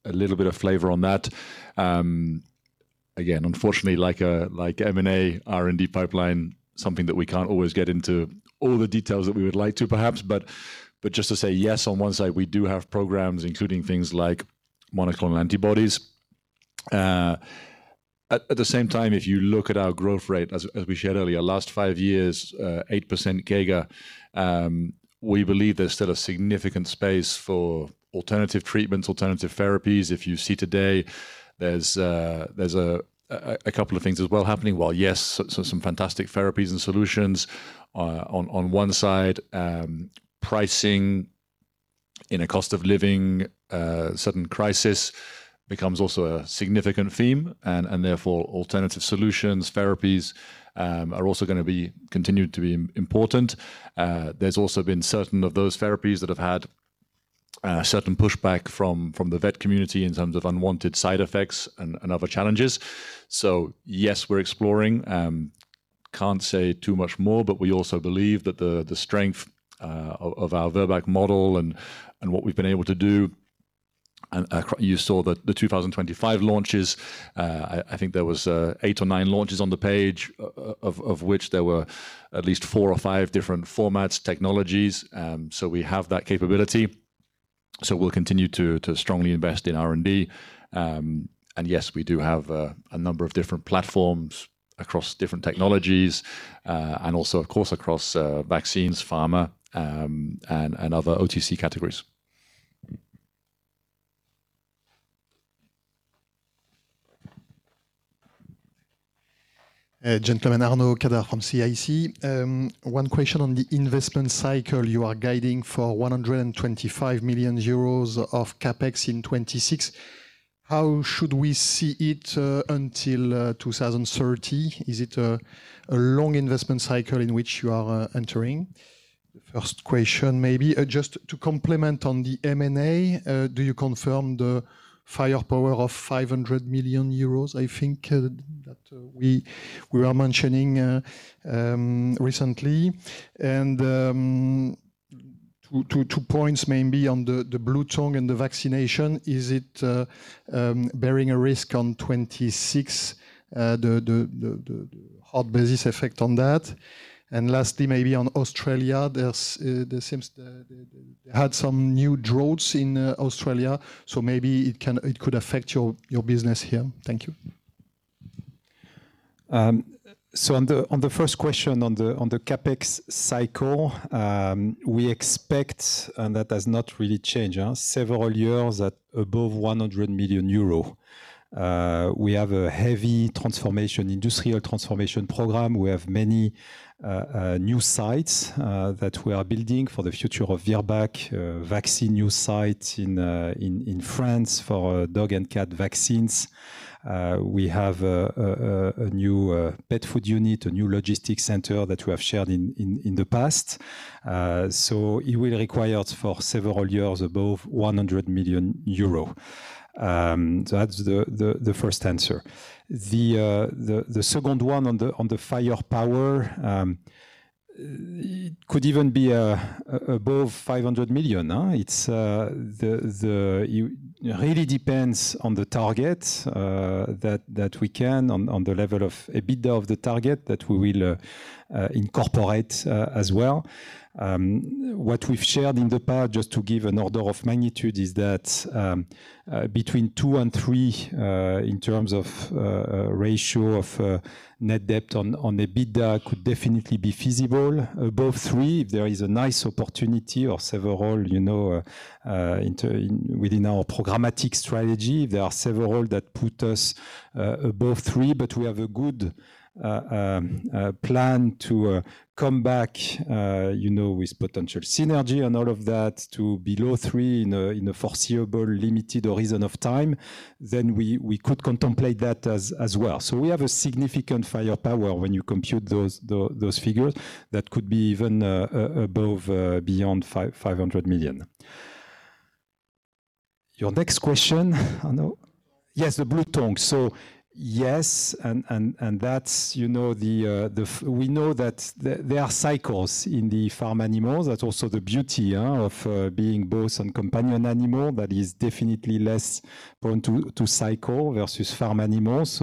little bit of flavor on that. Again, unfortunately, like M&A, R&D pipeline, something that we can't always get into all the details that we would like to perhaps. Just to say yes, on one side, we do have programs including things like monoclonal antibodies. At the same time, if you look at our growth rate as we shared earlier, last five years, 8% CAGR, we believe there's still a significant space for alternative treatments, alternative therapies. If you see today, there's a couple of things as well happening. Yes, some fantastic therapies and solutions on one side. Pricing. In a cost-of-living crisis also becomes a significant theme and therefore alternative solutions, therapies, are also gonna be continued to be important. There's also been certain of those therapies that have had certain pushback from the vet community in terms of unwanted side effects and other challenges. Yes, we're exploring. Can't say too much more, but we also believe that the strength of our Virbac model and what we've been able to do. You saw the 2025 launches. I think there was eight or nine launches on the page of which there were at least four or five different formats, technologies, so we have that capability. We'll continue to strongly invest in R&D. Yes, we do have a number of different platforms across different technologies, and also of course across vaccines, pharma, and other OTC categories. Gentlemen, Arnaud Cadart from CIC. One question on the investment cycle. You are guiding for 125 million euros of CapEx in 2026. How should we see it until 2030? Is it a long investment cycle in which you are entering? First question maybe. Just to complement on the M&A, do you confirm the firepower of 500 million euros, I think, that we were mentioning recently? Two points maybe on the Bluetongue and the vaccination. Is it bearing a risk on 2026, the hard basis effect on that? Lastly, maybe on Australia, there seems they had some new droughts in Australia, so maybe it could affect your business here. Thank you. On the first question on the CapEx cycle, we expect several years at above EUR 100 million, and that has not really changed. We have a heavy industrial transformation program. We have many new sites that we are building for the future of Virbac, new vaccine sites in France for dog and cat vaccines. We have a new pet food unit, a new logistics center that we have shared in the past. It will require for several years above 100 million euro. That's the first answer. The second one on the firepower, it could even be above 500 million? It's the. It really depends on the target that we can, on the level of EBITDA of the target that we will incorporate as well. What we've shared in the past, just to give an order of magnitude, is that between two and three in terms of ratio of net debt to EBITDA could definitely be feasible. Above three, if there is a nice opportunity or several, you know, within our programmatic strategy, there are several that put us above three. We have a good plan to come back, you know, with potential synergy and all of that to below three in a foreseeable limited horizon of time, then we could contemplate that as well. We have a significant firepower when you compute those figures that could be even above beyond 500 million. Your next question, I don't know. Yes, the Bluetongue. Yes, and that's you know the. We know that there are cycles in the farm animals. That's also the beauty of being both on companion animal, but is definitely less prone to cycle versus farm animals.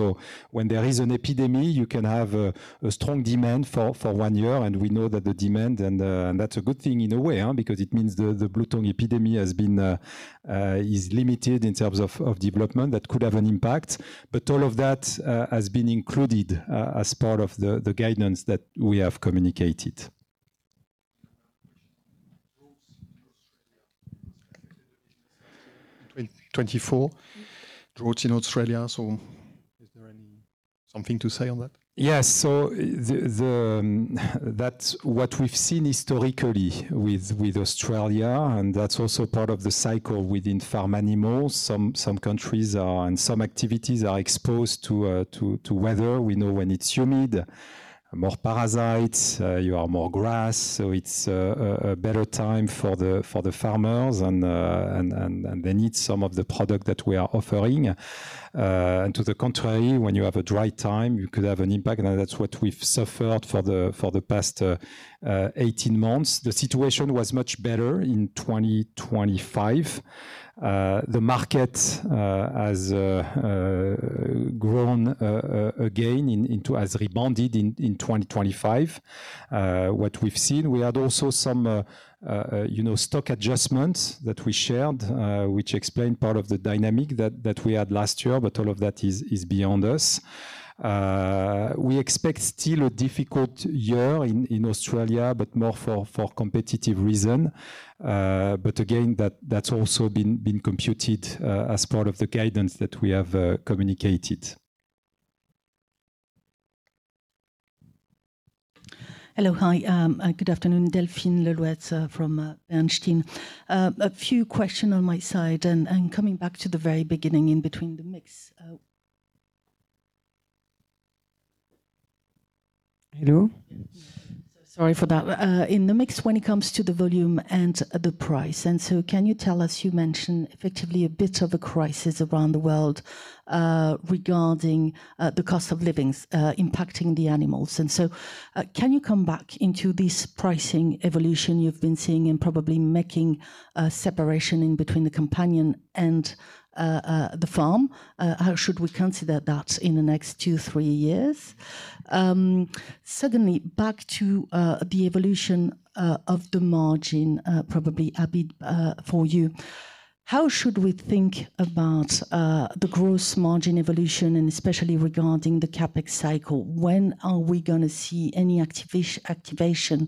When there is an epidemic, you can have a strong demand for one year, and we know that the demand and that's a good thing in a way because it means the Bluetongue epidemic is limited in terms of development that could have an impact. All of that has been included as part of the guidance that we have communicated. 2024 droughts in Australia. Is there anything to say on that? Yes. That's what we've seen historically with Australia, and that's also part of the cycle within farm animals. Some countries and some activities are exposed to weather. We know when it's humid, more parasites, you have more grass, so it's a better time for the farmers and they need some of the product that we are offering. To the contrary, when you have a dry time, you could have an impact, and that's what we've suffered for the past 18 months. The situation was much better in 2025. The market has rebounded in 2025. What we've seen, we had also some, you know, stock adjustments that we shared, which explain part of the dynamic that we had last year, but all of that is beyond us. We expect still a difficult year in Australia, but more for competitive reason. Again, that's also been computed as part of the guidance that we have communicated. Hello. Hi. Good afternoon. Delphine Le Louët from Bernstein. A few question on my side, and coming back to the very beginning in between the mix. Hello? Sorry for that. In the mix when it comes to the volume and the price. Can you tell us, you mentioned effectively a bit of a crisis around the world, regarding the cost of living impacting the animals. Can you come back into this pricing evolution you've been seeing and probably making a separation in between the companion and the farm? How should we consider that in the next 2-3 years? Secondly, back to the evolution of the margin, probably, Habib Ramdani, for you. How should we think about the gross margin evolution and especially regarding the CapEx cycle? When are we gonna see any activation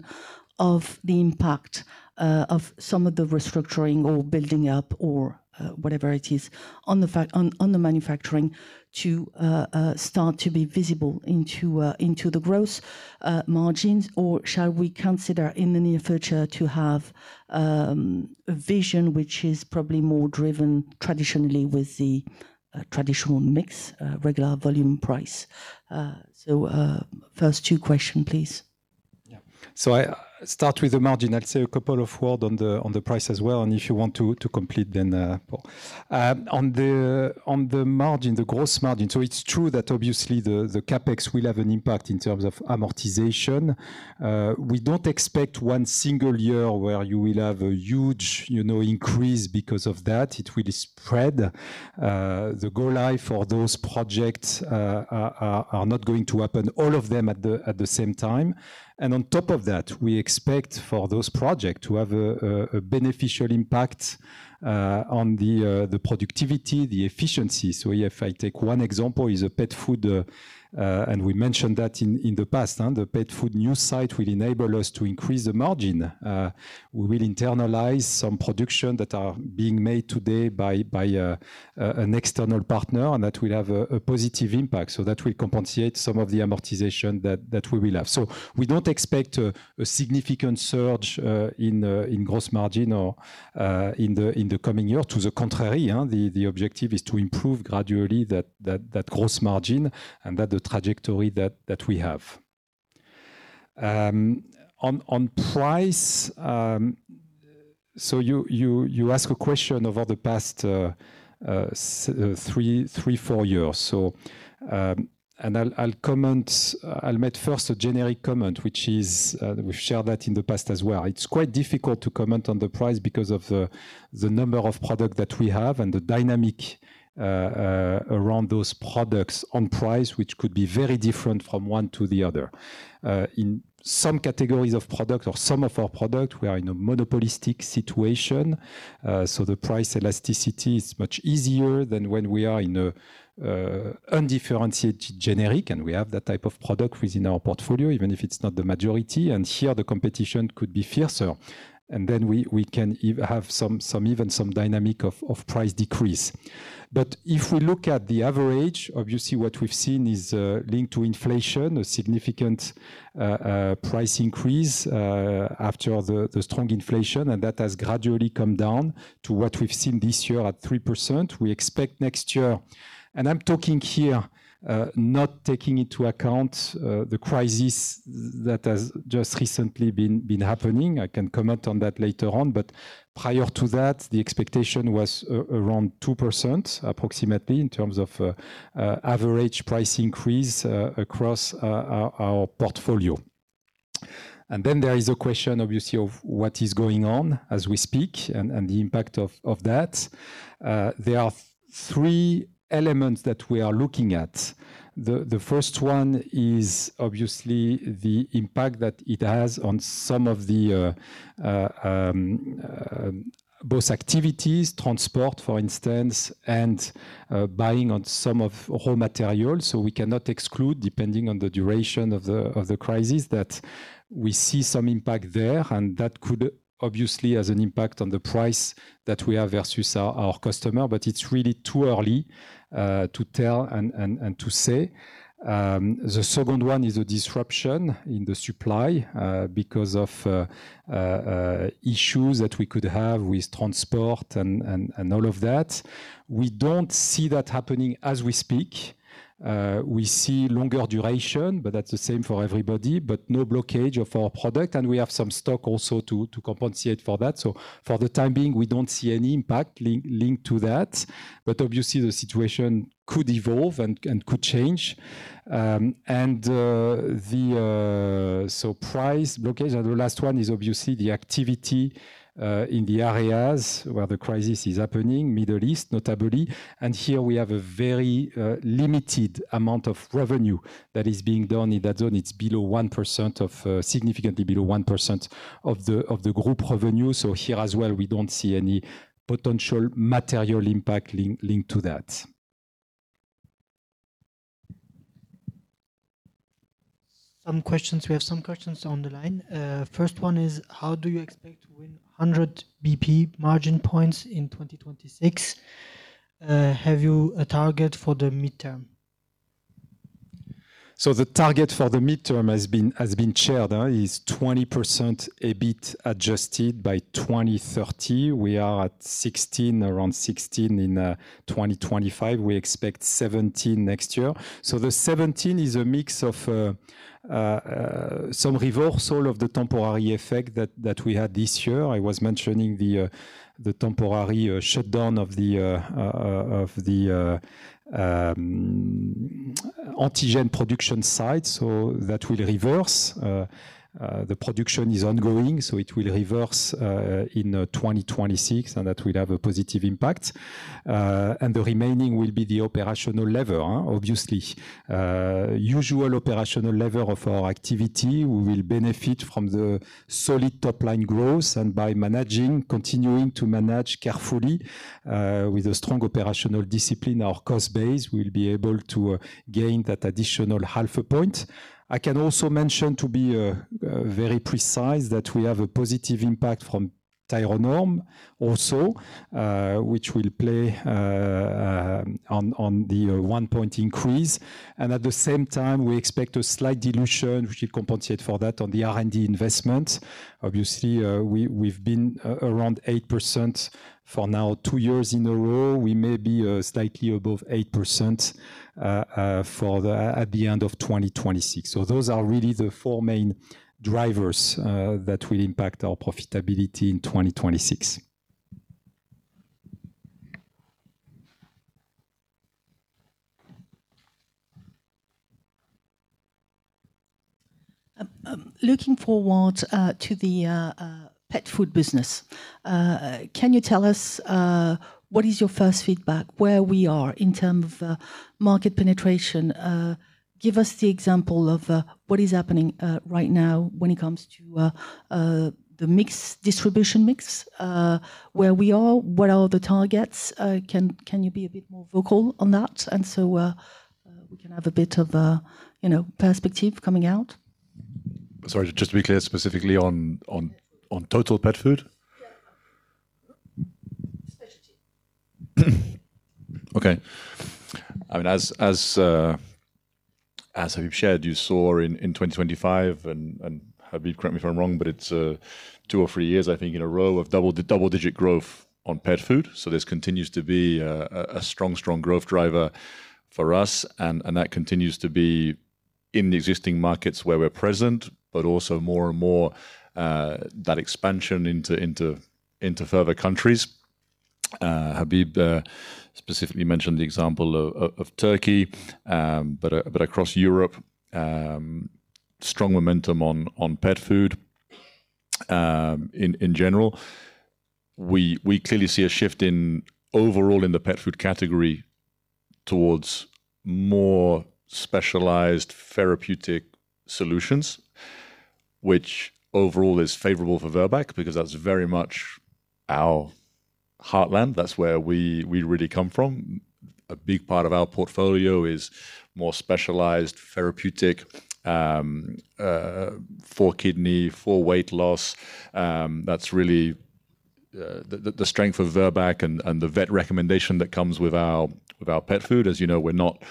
of the impact of some of the restructuring or building up or whatever it is on the manufacturing to start to be visible into the gross margins? Shall we consider in the near future to have a vision which is probably more driven traditionally with the traditional mix regular volume price? First two question, please. Yeah. I start with the margin. I'd say a couple of words on the price as well, and if you want to complete then, Paul. On the margin, the gross margin. It's true that obviously the CapEx will have an impact in terms of amortization. We don't expect one single year where you will have a huge, you know, increase because of that. It will spread. The go live for those projects are not going to happen all of them at the same time. On top of that, we expect for those projects to have a beneficial impact on the productivity, the efficiency. If I take one example is a pet food, and we mentioned that in the past, and the pet food new site will enable us to increase the margin. We will internalize some production that are being made today by an external partner, and that will have a positive impact. That will compensate some of the amortization that we will have. We don't expect a significant surge in gross margin or in the coming year. To the contrary, the objective is to improve gradually that gross margin and that the trajectory that we have. On price, you ask a question over the past three, four years, and I'll comment. I'll make first a generic comment, which is, we've shared that in the past as well. It's quite difficult to comment on the price because of the number of product that we have and the dynamics around those products on price, which could be very different from one to the other. In some categories of product or some of our product, we are in a monopolistic situation, so the price elasticity is much easier than when we are in a undifferentiated generic, and we have that type of product within our portfolio, even if it's not the majority. Here the competition could be fiercer. We can have some even some dynamics of price decrease. If we look at the average, obviously what we've seen is, linked to inflation, a significant price increase after the strong inflation, and that has gradually come down to what we've seen this year at 3%. We expect next year. I'm talking here, not taking into account, the crisis that has just recently been happening. I can comment on that later on. Prior to that, the expectation was around 2%, approximately, in terms of, average price increase, across, our portfolio. Then there is a question, obviously, of what is going on as we speak and, the impact of that. There are three elements that we are looking at. The first one is obviously the impact that it has on some of the both activities, transport, for instance, and buying of some raw material. We cannot exclude, depending on the duration of the crisis, that we see some impact there. That could obviously have an impact on the price that we have versus our customer. It's really too early to tell and to say. The second one is a disruption in the supply because of issues that we could have with transport and all of that. We don't see that happening as we speak. We see longer duration, but that's the same for everybody, but no blockage of our product, and we have some stock also to compensate for that. For the time being, we don't see any impact linked to that. Obviously, the situation could evolve and could change. Price blockage. The last one is obviously the activity in the areas where the crisis is happening, Middle East, notably. Here we have a very limited amount of revenue that is being done in that zone. It's below 1%, significantly below 1% of the group revenue. Here as well, we don't see any potential material impact linked to that. Some questions. We have some questions on the line. First one is, how do you expect to win 100 basis points margin points in 2026? Have you a target for the midterm? The target for the midterm has been shared, is 20% EBIT Adjusted by 2030. We are at around 16 in 2025. We expect 17 next year. The 17 is a mix of some reversal of the temporary effect that we had this year. I was mentioning the temporary shutdown of the antigen production site. That will reverse. The production is ongoing, so it will reverse in 2026, and that will have a positive impact. The remaining will be the operational lever, obviously. Usual operational lever of our activity, we will benefit from the solid top-line growth and by managing, continuing to manage carefully, with a strong operational discipline, our cost base will be able to gain that additional half a point. I can also mention, to be very precise, that we have a positive impact from Thyronorm also, which will play on the one-point increase. At the same time, we expect a slight dilution, which will compensate for that on the R&D investment. Obviously, we've been around 8% for now two years in a row. We may be slightly above 8% at the end of 2026. Those are really the four main drivers that will impact our profitability in 2026. Looking forward, the pet food business, can you tell us what is your first feedback? Where we are in terms of market penetration? Give us the example of what is happening right now when it comes to the distribution mix, where we are, what are the targets? Can you be a bit more vocal on that, so we can have a bit of, you know, perspective coming out? Sorry, just to be clear, specifically on. On total pet food? Yeah. Specialty. I mean, as Habib shared, you saw in 2025, and Habib, correct me if I'm wrong, but it's two or three years, I think, in a row of double-digit growth on pet food. This continues to be a strong growth driver for us, and that continues to be in the existing markets where we're present, but also more and more, that expansion into further countries. Habib specifically mentioned the example of Turkey, but across Europe, strong momentum on pet food in general. We clearly see a shift overall in the pet food category towards more specialized therapeutic solutions, which overall is favorable for Virbac because that's very much our heartland. That's where we really come from. A big part of our portfolio is more specialized therapeutic for kidney, for weight loss. That's really the strength of Virbac and the vet recommendation that comes with our pet food. As you know, we're not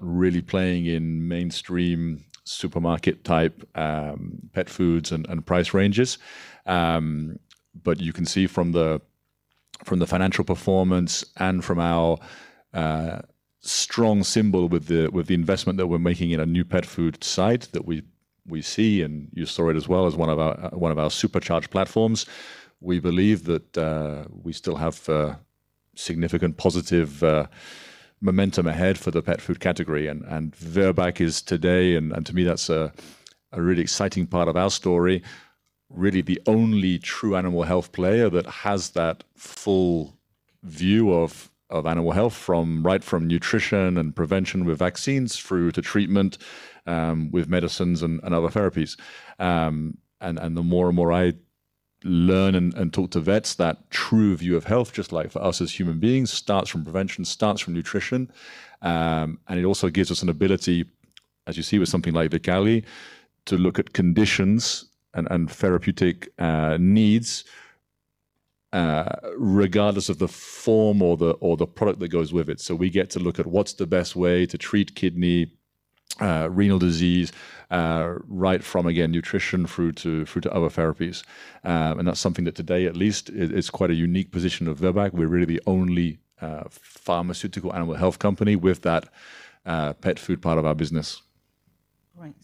really playing in mainstream supermarket-type pet foods and price ranges. But you can see from the financial performance and from our strong signal with the investment that we're making in a new pet food site that we see, and you saw it as well as one of our supercharged platforms. We believe that we still have significant positive momentum ahead for the pet food category. Virbac is today to me that's a really exciting part of our story, really the only true animal health player that has that full view of animal health from right from nutrition and prevention with vaccines through to treatment with medicines and other therapies. The more and more I learn and talk to vets, that true view of health, just like for us as human beings, starts from prevention, starts from nutrition, and it also gives us an ability, as you see with something like Vikaly, to look at conditions and therapeutic needs regardless of the form or the product that goes with it. We get to look at what's the best way to treat kidney renal disease right from, again, nutrition through to other therapies. That's something that today at least is quite a unique position of Virbac. We're really the only pharmaceutical animal health company with that pet food part of our business. Right.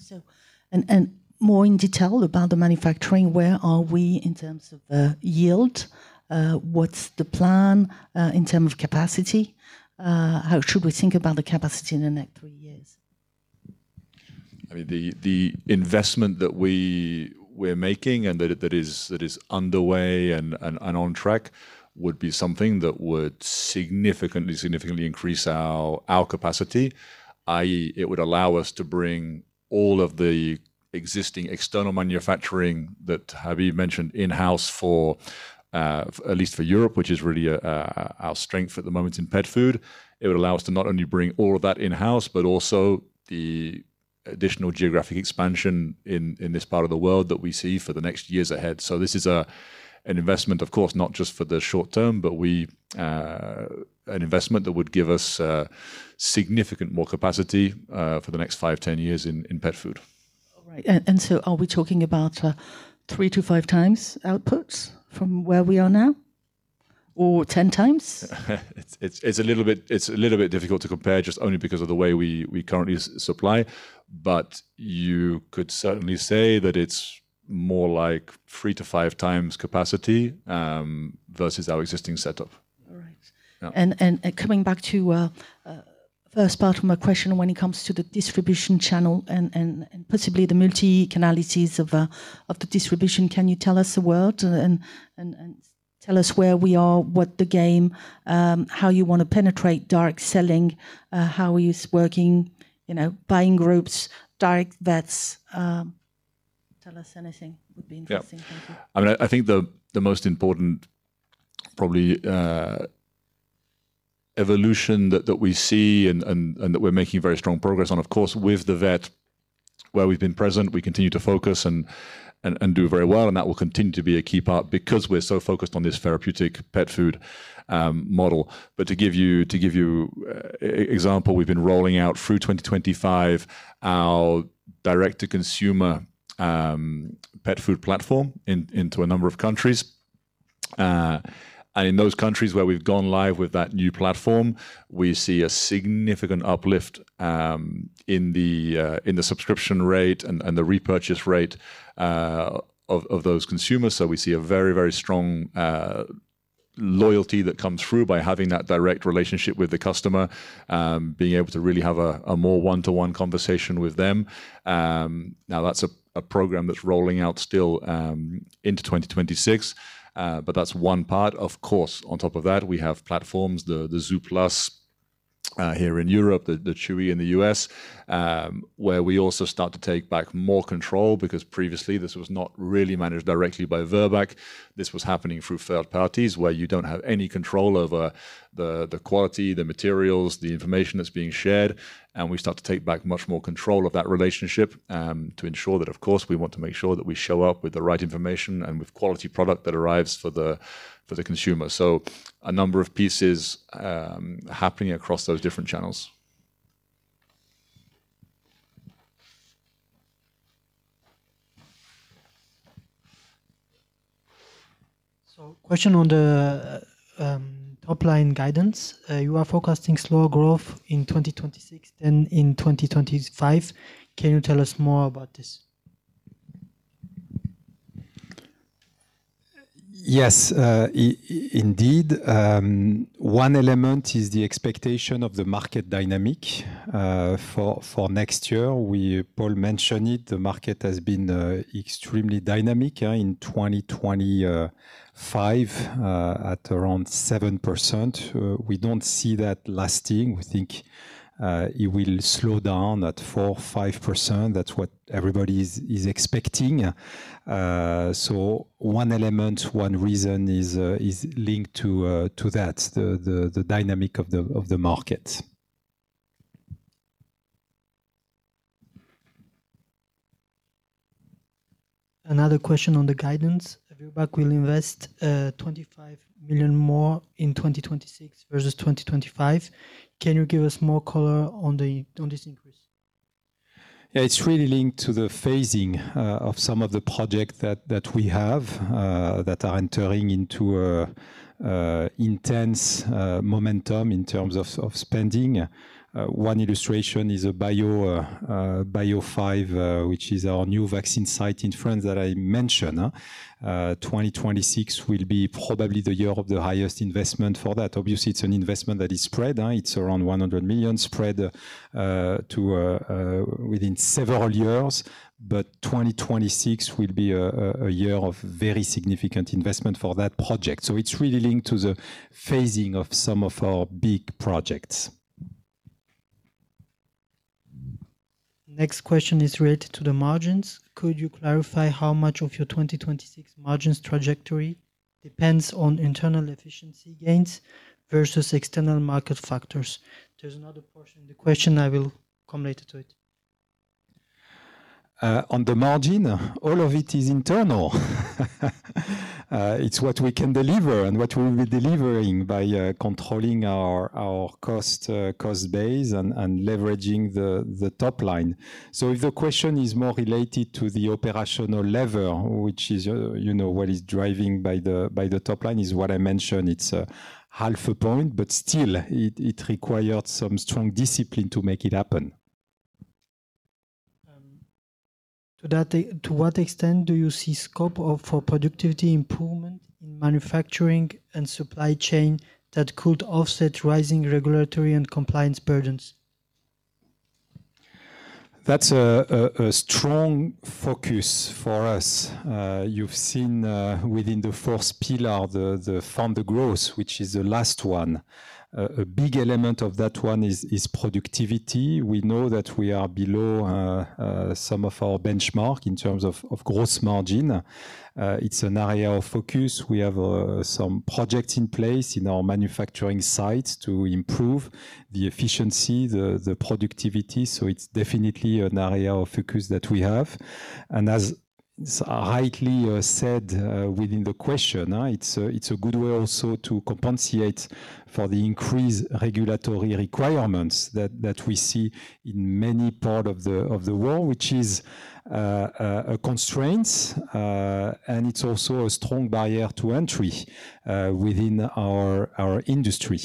More in detail about the manufacturing, where are we in terms of yield? What's the plan in terms of capacity? How should we think about the capacity in the next three years? I mean, the investment that we're making and that is underway and on track would be something that would significantly increase our capacity, i.e., it would allow us to bring all of the existing external manufacturing that Habib mentioned in-house for at least Europe, which is really our strength at the moment in pet food. It would allow us to not only bring all of that in-house, but also the additional geographic expansion in this part of the world that we see for the next years ahead. This is an investment, of course, not just for the short term. An investment that would give us significant more capacity for the next five, 10 years in pet food. All right. Are we talking about 3x-5x outputs from where we are now or 10 times? It's a little bit difficult to compare just only because of the way we currently supply. You could certainly say that it's more like 3-5 times capacity versus our existing setup. All right. Yeah. Coming back to first part of my question when it comes to the distribution channel and possibly the multi-channelities of the distribution, can you tell us a word and tell us where we are, what the game, how you wanna penetrate direct selling, how are you working, you know, buying groups, direct vets, tell us anything would be interesting. Thank you. Yeah. I mean, I think the most important probably evolution that we see and that we're making very strong progress on, of course, with the vet where we've been present, we continue to focus and do very well, and that will continue to be a key part because we're so focused on this therapeutic pet food model. To give you example, we've been rolling out through 2025 our direct-to-consumer pet food platform into a number of countries. In those countries where we've gone live with that new platform, we see a significant uplift in the subscription rate and the repurchase rate of those consumers. We see a very, very strong loyalty that comes through by having that direct relationship with the customer, being able to really have a more one-to-one conversation with them. Now that's a program that's rolling out still into 2026. That's one part. Of course, on top of that, we have platforms, the zooplus here in Europe, the Chewy in the U.S., where we also start to take back more control because previously this was not really managed directly by Virbac. This was happening through third parties where you don't have any control over the quality, the materials, the information that's being shared, and we start to take back much more control of that relationship, to ensure that, of course, we want to make sure that we show up with the right information and with quality product that arrives for the consumer. A number of pieces happening across those different channels. Question on the, top-line guidance. You are forecasting slower growth in 2026 than in 2025. Can you tell us more about this? Yes, indeed. One element is the expectation of the market dynamic for next year. Paul mentioned it, the market has been extremely dynamic in 2025 at around 7%. We don't see that lasting. We think it will slow down at 4%-5%. That's what everybody is expecting. One element, one reason is linked to that, the dynamic of the market. Another question on the guidance. Virbac will invest 25 million more in 2026 versus 2025. Can you give us more color on this increase? Yeah. It's really linked to the phasing of some of the projects that we have that are entering into an intense momentum in terms of spending. One illustration is Bio5, which is our new vaccine site in France that I mentioned. 2026 will probably be the year of the highest investment for that. Obviously, it's an investment that is spread; it's around 100 million spread to within several years. 2026 will be a year of very significant investment for that project. It's really linked to the phasing of some of our big projects. Next question is related to the margins. Could you clarify how much of your 2026 margins trajectory depends on internal efficiency gains versus external market factors? There's another portion of the question, I will come later to it. On the margin, all of it is internal. It's what we can deliver and what we'll be delivering by controlling our cost base and leveraging the top line. If the question is more related to the operational level, which is, you know, what is driven by the top line, is what I mentioned, it's half a point, but still, it requires some strong discipline to make it happen. To what extent do you see scope for productivity improvement in manufacturing and supply chain that could offset rising regulatory and compliance burdens? That's a strong focus for us. You've seen within the first pillar, the Fund our Growth, which is the last one. A big element of that one is productivity. We know that we are below some of our benchmarks in terms of gross margin. It's an area of focus. We have some projects in place in our manufacturing sites to improve the efficiency, the productivity, so it's definitely an area of focus that we have. As rightly said within the question, it's a good way also to compensate for the increased regulatory requirements that we see in many parts of the world, which is a constraint, and it's also a strong barrier to entry within our industry.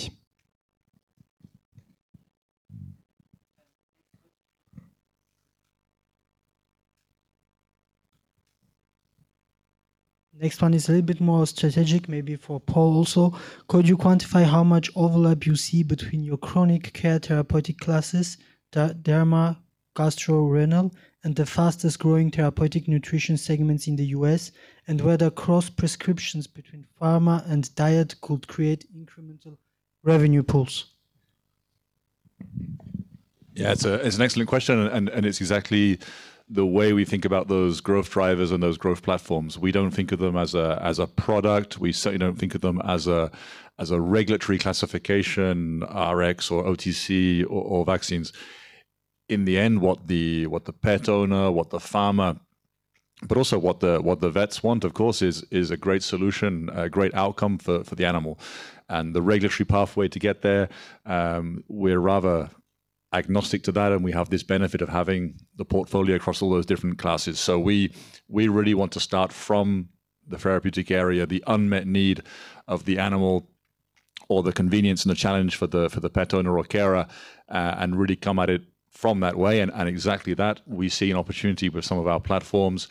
Next one is a little bit more strategic, maybe for Paul also. Could you quantify how much overlap you see between your chronic care therapeutic classes, d-derma, gastro, renal, and the fastest-growing therapeutic nutrition segments in the U.S., and whether cross-prescriptions between pharma and diet could create incremental revenue pools? Yeah. It's an excellent question and it's exactly the way we think about those growth drivers and those growth platforms. We don't think of them as a product. We don't think of them as a regulatory classification, Rx or OTC or vaccines. In the end, what the pet owner, what the pharma, but also what the vets want, of course, is a great solution, a great outcome for the animal. The regulatory pathway to get there, we're rather agnostic to that, and we have this benefit of having the portfolio across all those different classes. We really want to start from the therapeutic area, the unmet need of the animal. The convenience and the challenge for the pet owner or carer, and really come at it from that way. Exactly that, we see an opportunity with some of our platforms,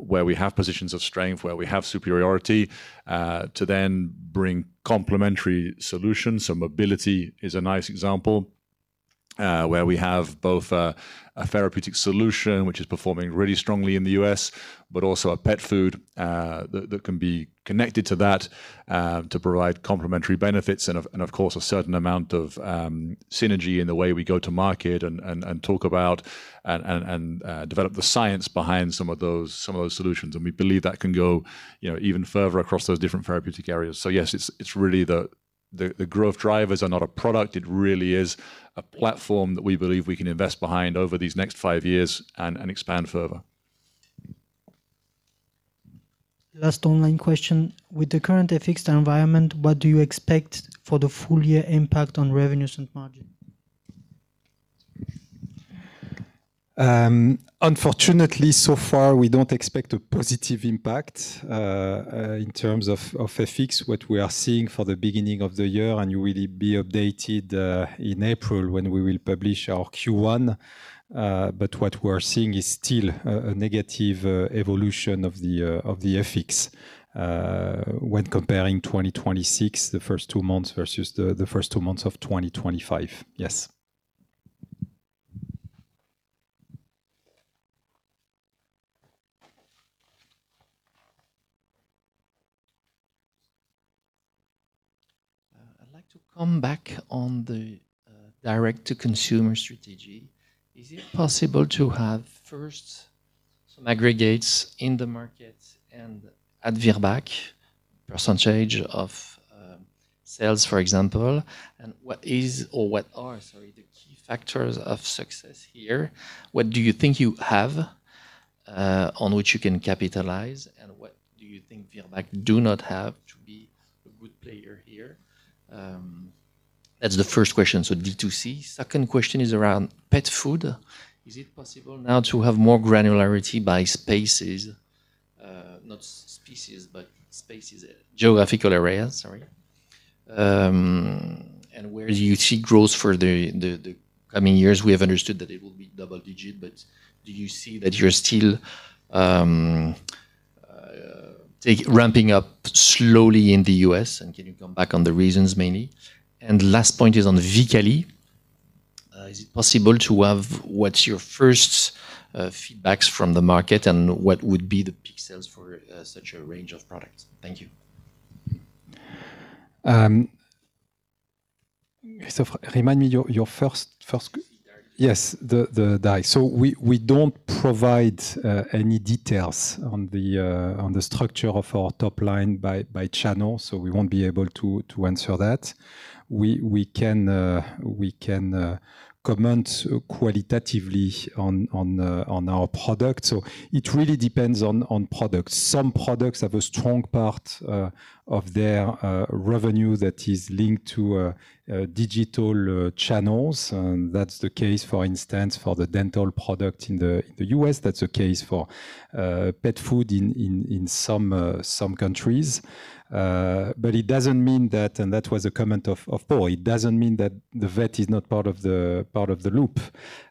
where we have positions of strength, where we have superiority, to then bring complementary solutions. Mobility is a nice example, where we have both, a therapeutic solution which is performing really strongly in the U.S., but also a pet food, that can be connected to that, to provide complementary benefits and of course, a certain amount of, synergy in the way we go to market and talk about and develop the science behind some of those solutions. We believe that can go, you know, even further across those different therapeutic areas. Yes, it's really the growth drivers are not a product. It really is a platform that we believe we can invest behind over these next five years and expand further. Last online question. With the current FX environment, what do you expect for the full year impact on revenues and margin? Unfortunately so far, we don't expect a positive impact in terms of FX. What we are seeing for the beginning of the year, and you will be updated in April when we will publish our Q1, but what we're seeing is still a negative evolution of the FX when comparing 2026, the first two months versus the first two months of 2025. Yes. I'd like to come back on the direct to consumer strategy. Is it possible to have first some aggregates in the market and at Virbac percentage of sales, for example? Sorry, what are the key factors of success here? What do you think you have on which you can capitalize? What do you think Virbac do not have to be a good player here? That's the first question. D2C. Second question is around pet food. Is it possible now to have more granularity by spaces, not species, but spaces, geographical areas, sorry. Where do you see growth for the coming years? We have understood that it will be double digit, but do you see that you're still take... Ramping up slowly in the U.S., and can you comment on the reasons mainly. Last point is on Vikaly. Is it possible to have what's your first feedback from the market and what would be the peak sales for such a range of products? Thank you. Remind me your first. Yes. We don't provide any details on the structure of our top line by channel, so we won't be able to answer that. We can comment qualitatively on our product. It really depends on products. Some products have a strong part of their revenue that is linked to digital channels. That's the case, for instance, for the dental product in the U.S. That's the case for pet food in some countries. It doesn't mean that, and that was a comment of Paul. It doesn't mean that the vet is not part of the loop.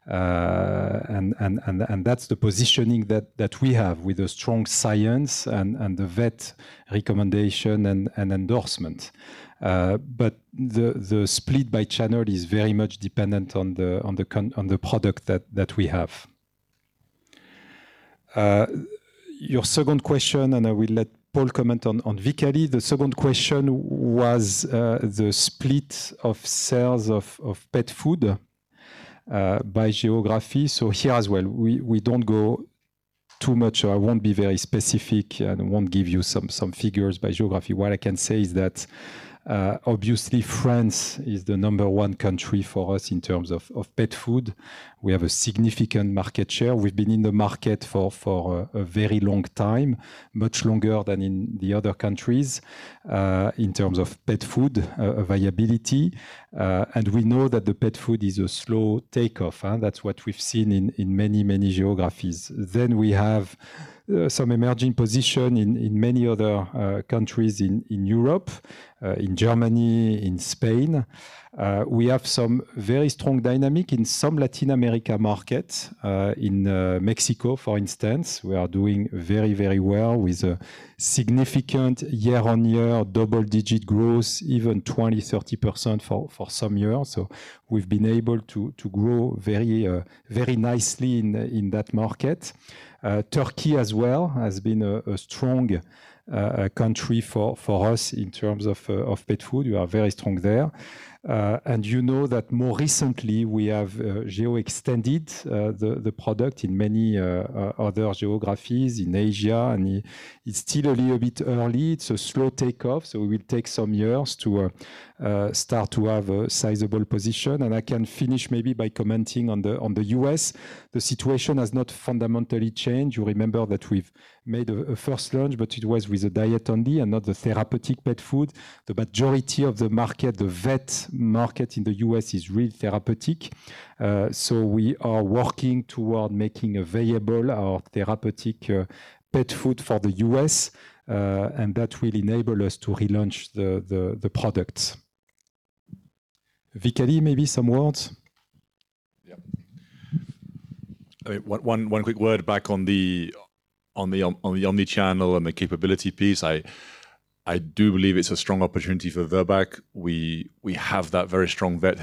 That's the positioning that we have with a strong science and the vet recommendation and endorsement. The split by channel is very much dependent on the product that we have. Your second question. I will let Paul comment on Vikaly. The second question was the split of sales of pet food by geography. Here as well, we don't go too much. I won't be very specific, and I won't give you some figures by geography. What I can say is that obviously France is the number one country for us in terms of pet food. We have a significant market share. We've been in the market for a very long time, much longer than in the other countries, in terms of pet food availability. We know that the pet food is a slow takeoff. That's what we've seen in many geographies. We have some emerging position in many other countries in Europe, in Germany, in Spain. We have some very strong dynamic in some Latin America markets. In Mexico, for instance, we are doing very well with a significant year-on-year double-digit growth, even 20%-30% for some years. We've been able to grow very nicely in that market. Turkey as well has been a strong country for us in terms of pet food. We are very strong there. You know that more recently we have geographically extended the product in many other geographies in Asia, and it's still a little bit early. It's a slow takeoff, so it will take some years to start to have a sizable position. I can finish maybe by commenting on the US. The situation has not fundamentally changed. You remember that we've made a first launch, but it was with a diet only and not the therapeutic pet food. The majority of the market, the vet market in the US, is really therapeutic. We are working toward making available our therapeutic pet food for the US, and that will enable us to relaunch the product. Vikaly, maybe some words. I mean, one quick word back on the omnichannel and the capability piece. I do believe it's a strong opportunity for Virbac. We have that very strong vet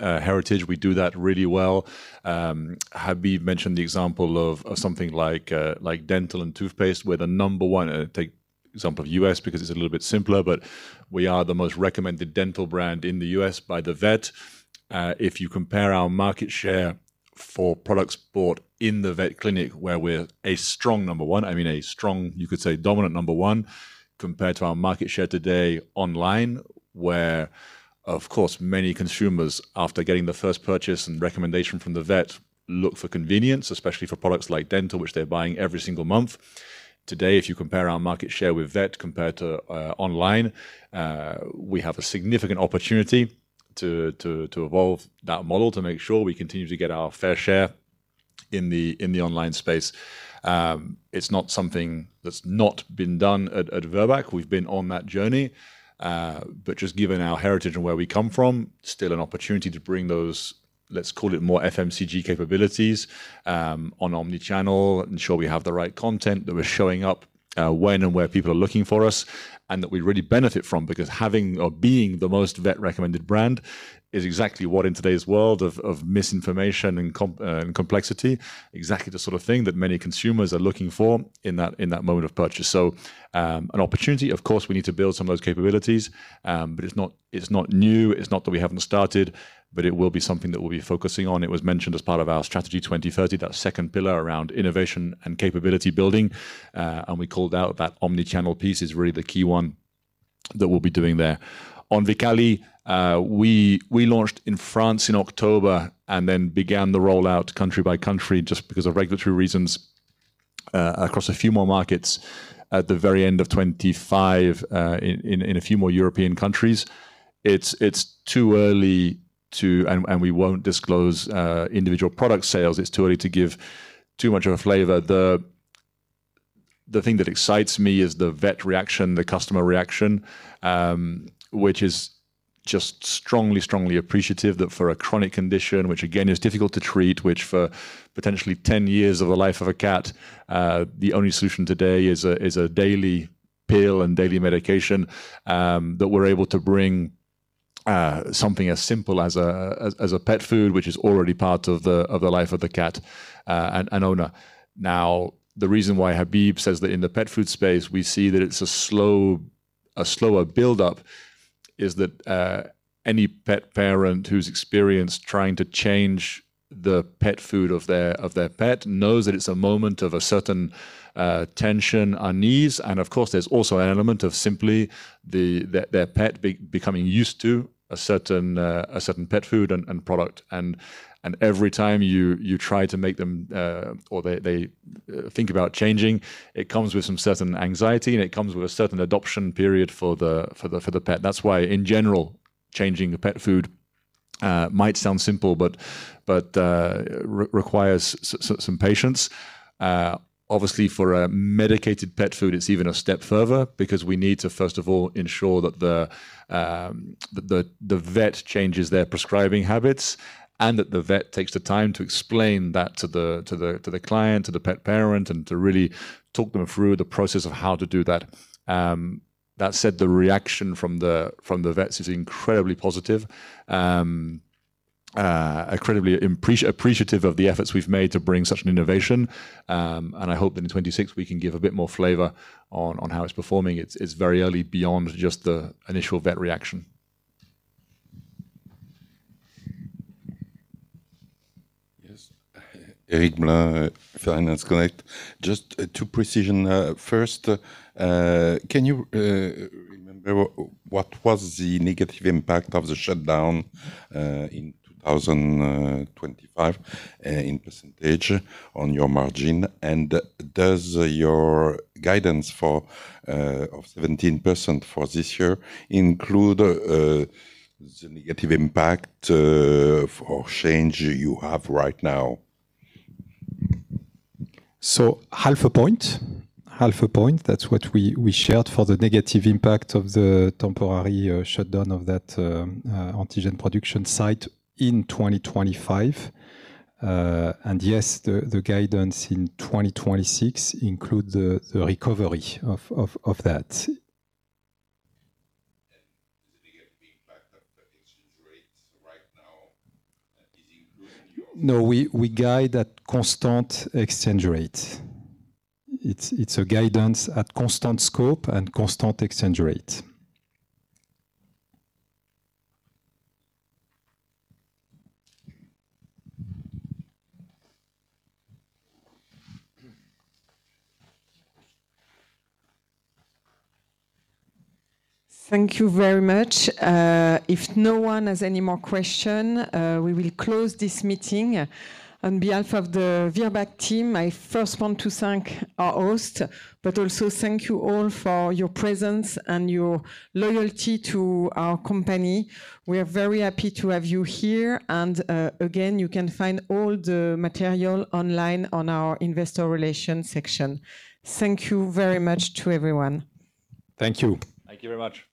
heritage. We do that really well. Habib mentioned the example of something like dental and toothpaste, where the number one. Take example of U.S. because it's a little bit simpler, but we are the most recommended dental brand in the U.S. by the vet. If you compare our market share for products bought in the vet clinic where we're a strong number one, I mean, a strong, you could say dominant number one, compared to our market share today online, where of course, many consumers, after getting the first purchase and recommendation from the vet, look for convenience, especially for products like dental, which they're buying every single month. Today, if you compare our market share with vet compared to online, we have a significant opportunity to evolve that model to make sure we continue to get our fair share in the online space. It's not something that's not been done at Virbac. We've been on that journey. Just given our heritage and where we come from, still an opportunity to bring those, let's call it more FMCG capabilities, on omnichannel, ensure we have the right content, that we're showing up, when and where people are looking for us, and that we really benefit from. Because having or being the most vet-recommended brand is exactly what, in today's world of misinformation and complexity, exactly the sort of thing that many consumers are looking for in that moment of purchase. An opportunity, of course, we need to build some of those capabilities, but it's not new, it's not that we haven't started, but it will be something that we'll be focusing on. It was mentioned as part of our Strategy 2030, that second pillar around innovation and capability building, and we called out that omnichannel piece is really the key one that we'll be doing there. On Vikaly, we launched in France in October and then began the rollout country by country just because of regulatory reasons, across a few more markets at the very end of 2025, in a few more European countries. It's too early. We won't disclose individual product sales. It's too early to give too much of a flavor. The thing that excites me is the vet reaction, the customer reaction, which is just strongly appreciative that for a chronic condition, which again, is difficult to treat, which for potentially ten years of the life of a cat, the only solution today is a daily pill and daily medication, that we're able to bring something as simple as a pet food which is already part of the life of the cat, and owner. Now, the reason why Habib says that in the pet food space, we see that it's a slow. A slower buildup is that any pet parent who's experienced trying to change the pet food of their pet knows that it's a moment of a certain tension, unease, and of course, there's also an element of simply their pet becoming used to a certain pet food and product. Every time you try to make them or they think about changing, it comes with some certain anxiety, and it comes with a certain adoption period for the pet. That's why, in general, changing a pet food might sound simple, but requires some patience. Obviously, for a medicated pet food, it's even a step further because we need to, first of all, ensure that the vet changes their prescribing habits and that the vet takes the time to explain that to the client, to the pet parent, and to really talk them through the process of how to do that. That said, the reaction from the vets is incredibly positive, incredibly appreciative of the efforts we've made to bring such an innovation. I hope that in 2026 we can give a bit more flavor on how it's performing. It's very early beyond just the initial vet reaction. Yes. Eric Blain, Finance Connect. Just two precision. First, can you remember what was the negative impact of the shutdown in 2025 in percentage on your margin? Does your guidance for 17% for this year include the negative impact or change you have right now? Half a point. Half a point, that's what we shared for the negative impact of the temporary shutdown of that antigen production site in 2025. Yes, the guidance in 2026 include the recovery of that. Does the negative impact of the exchange rates right now, is included in your? No, we guide at constant exchange rate. It's a guidance at constant scope and constant exchange rate. Thank you very much. If no one has any more question, we will close this meeting. On behalf of the Virbac team, I first want to thank our host, but also thank you all for your presence and your loyalty to our company. We are very happy to have you here, and, again, you can find all the material online on our investor relations section. Thank you very much to everyone. Thank you. Thank you very much. Thank you.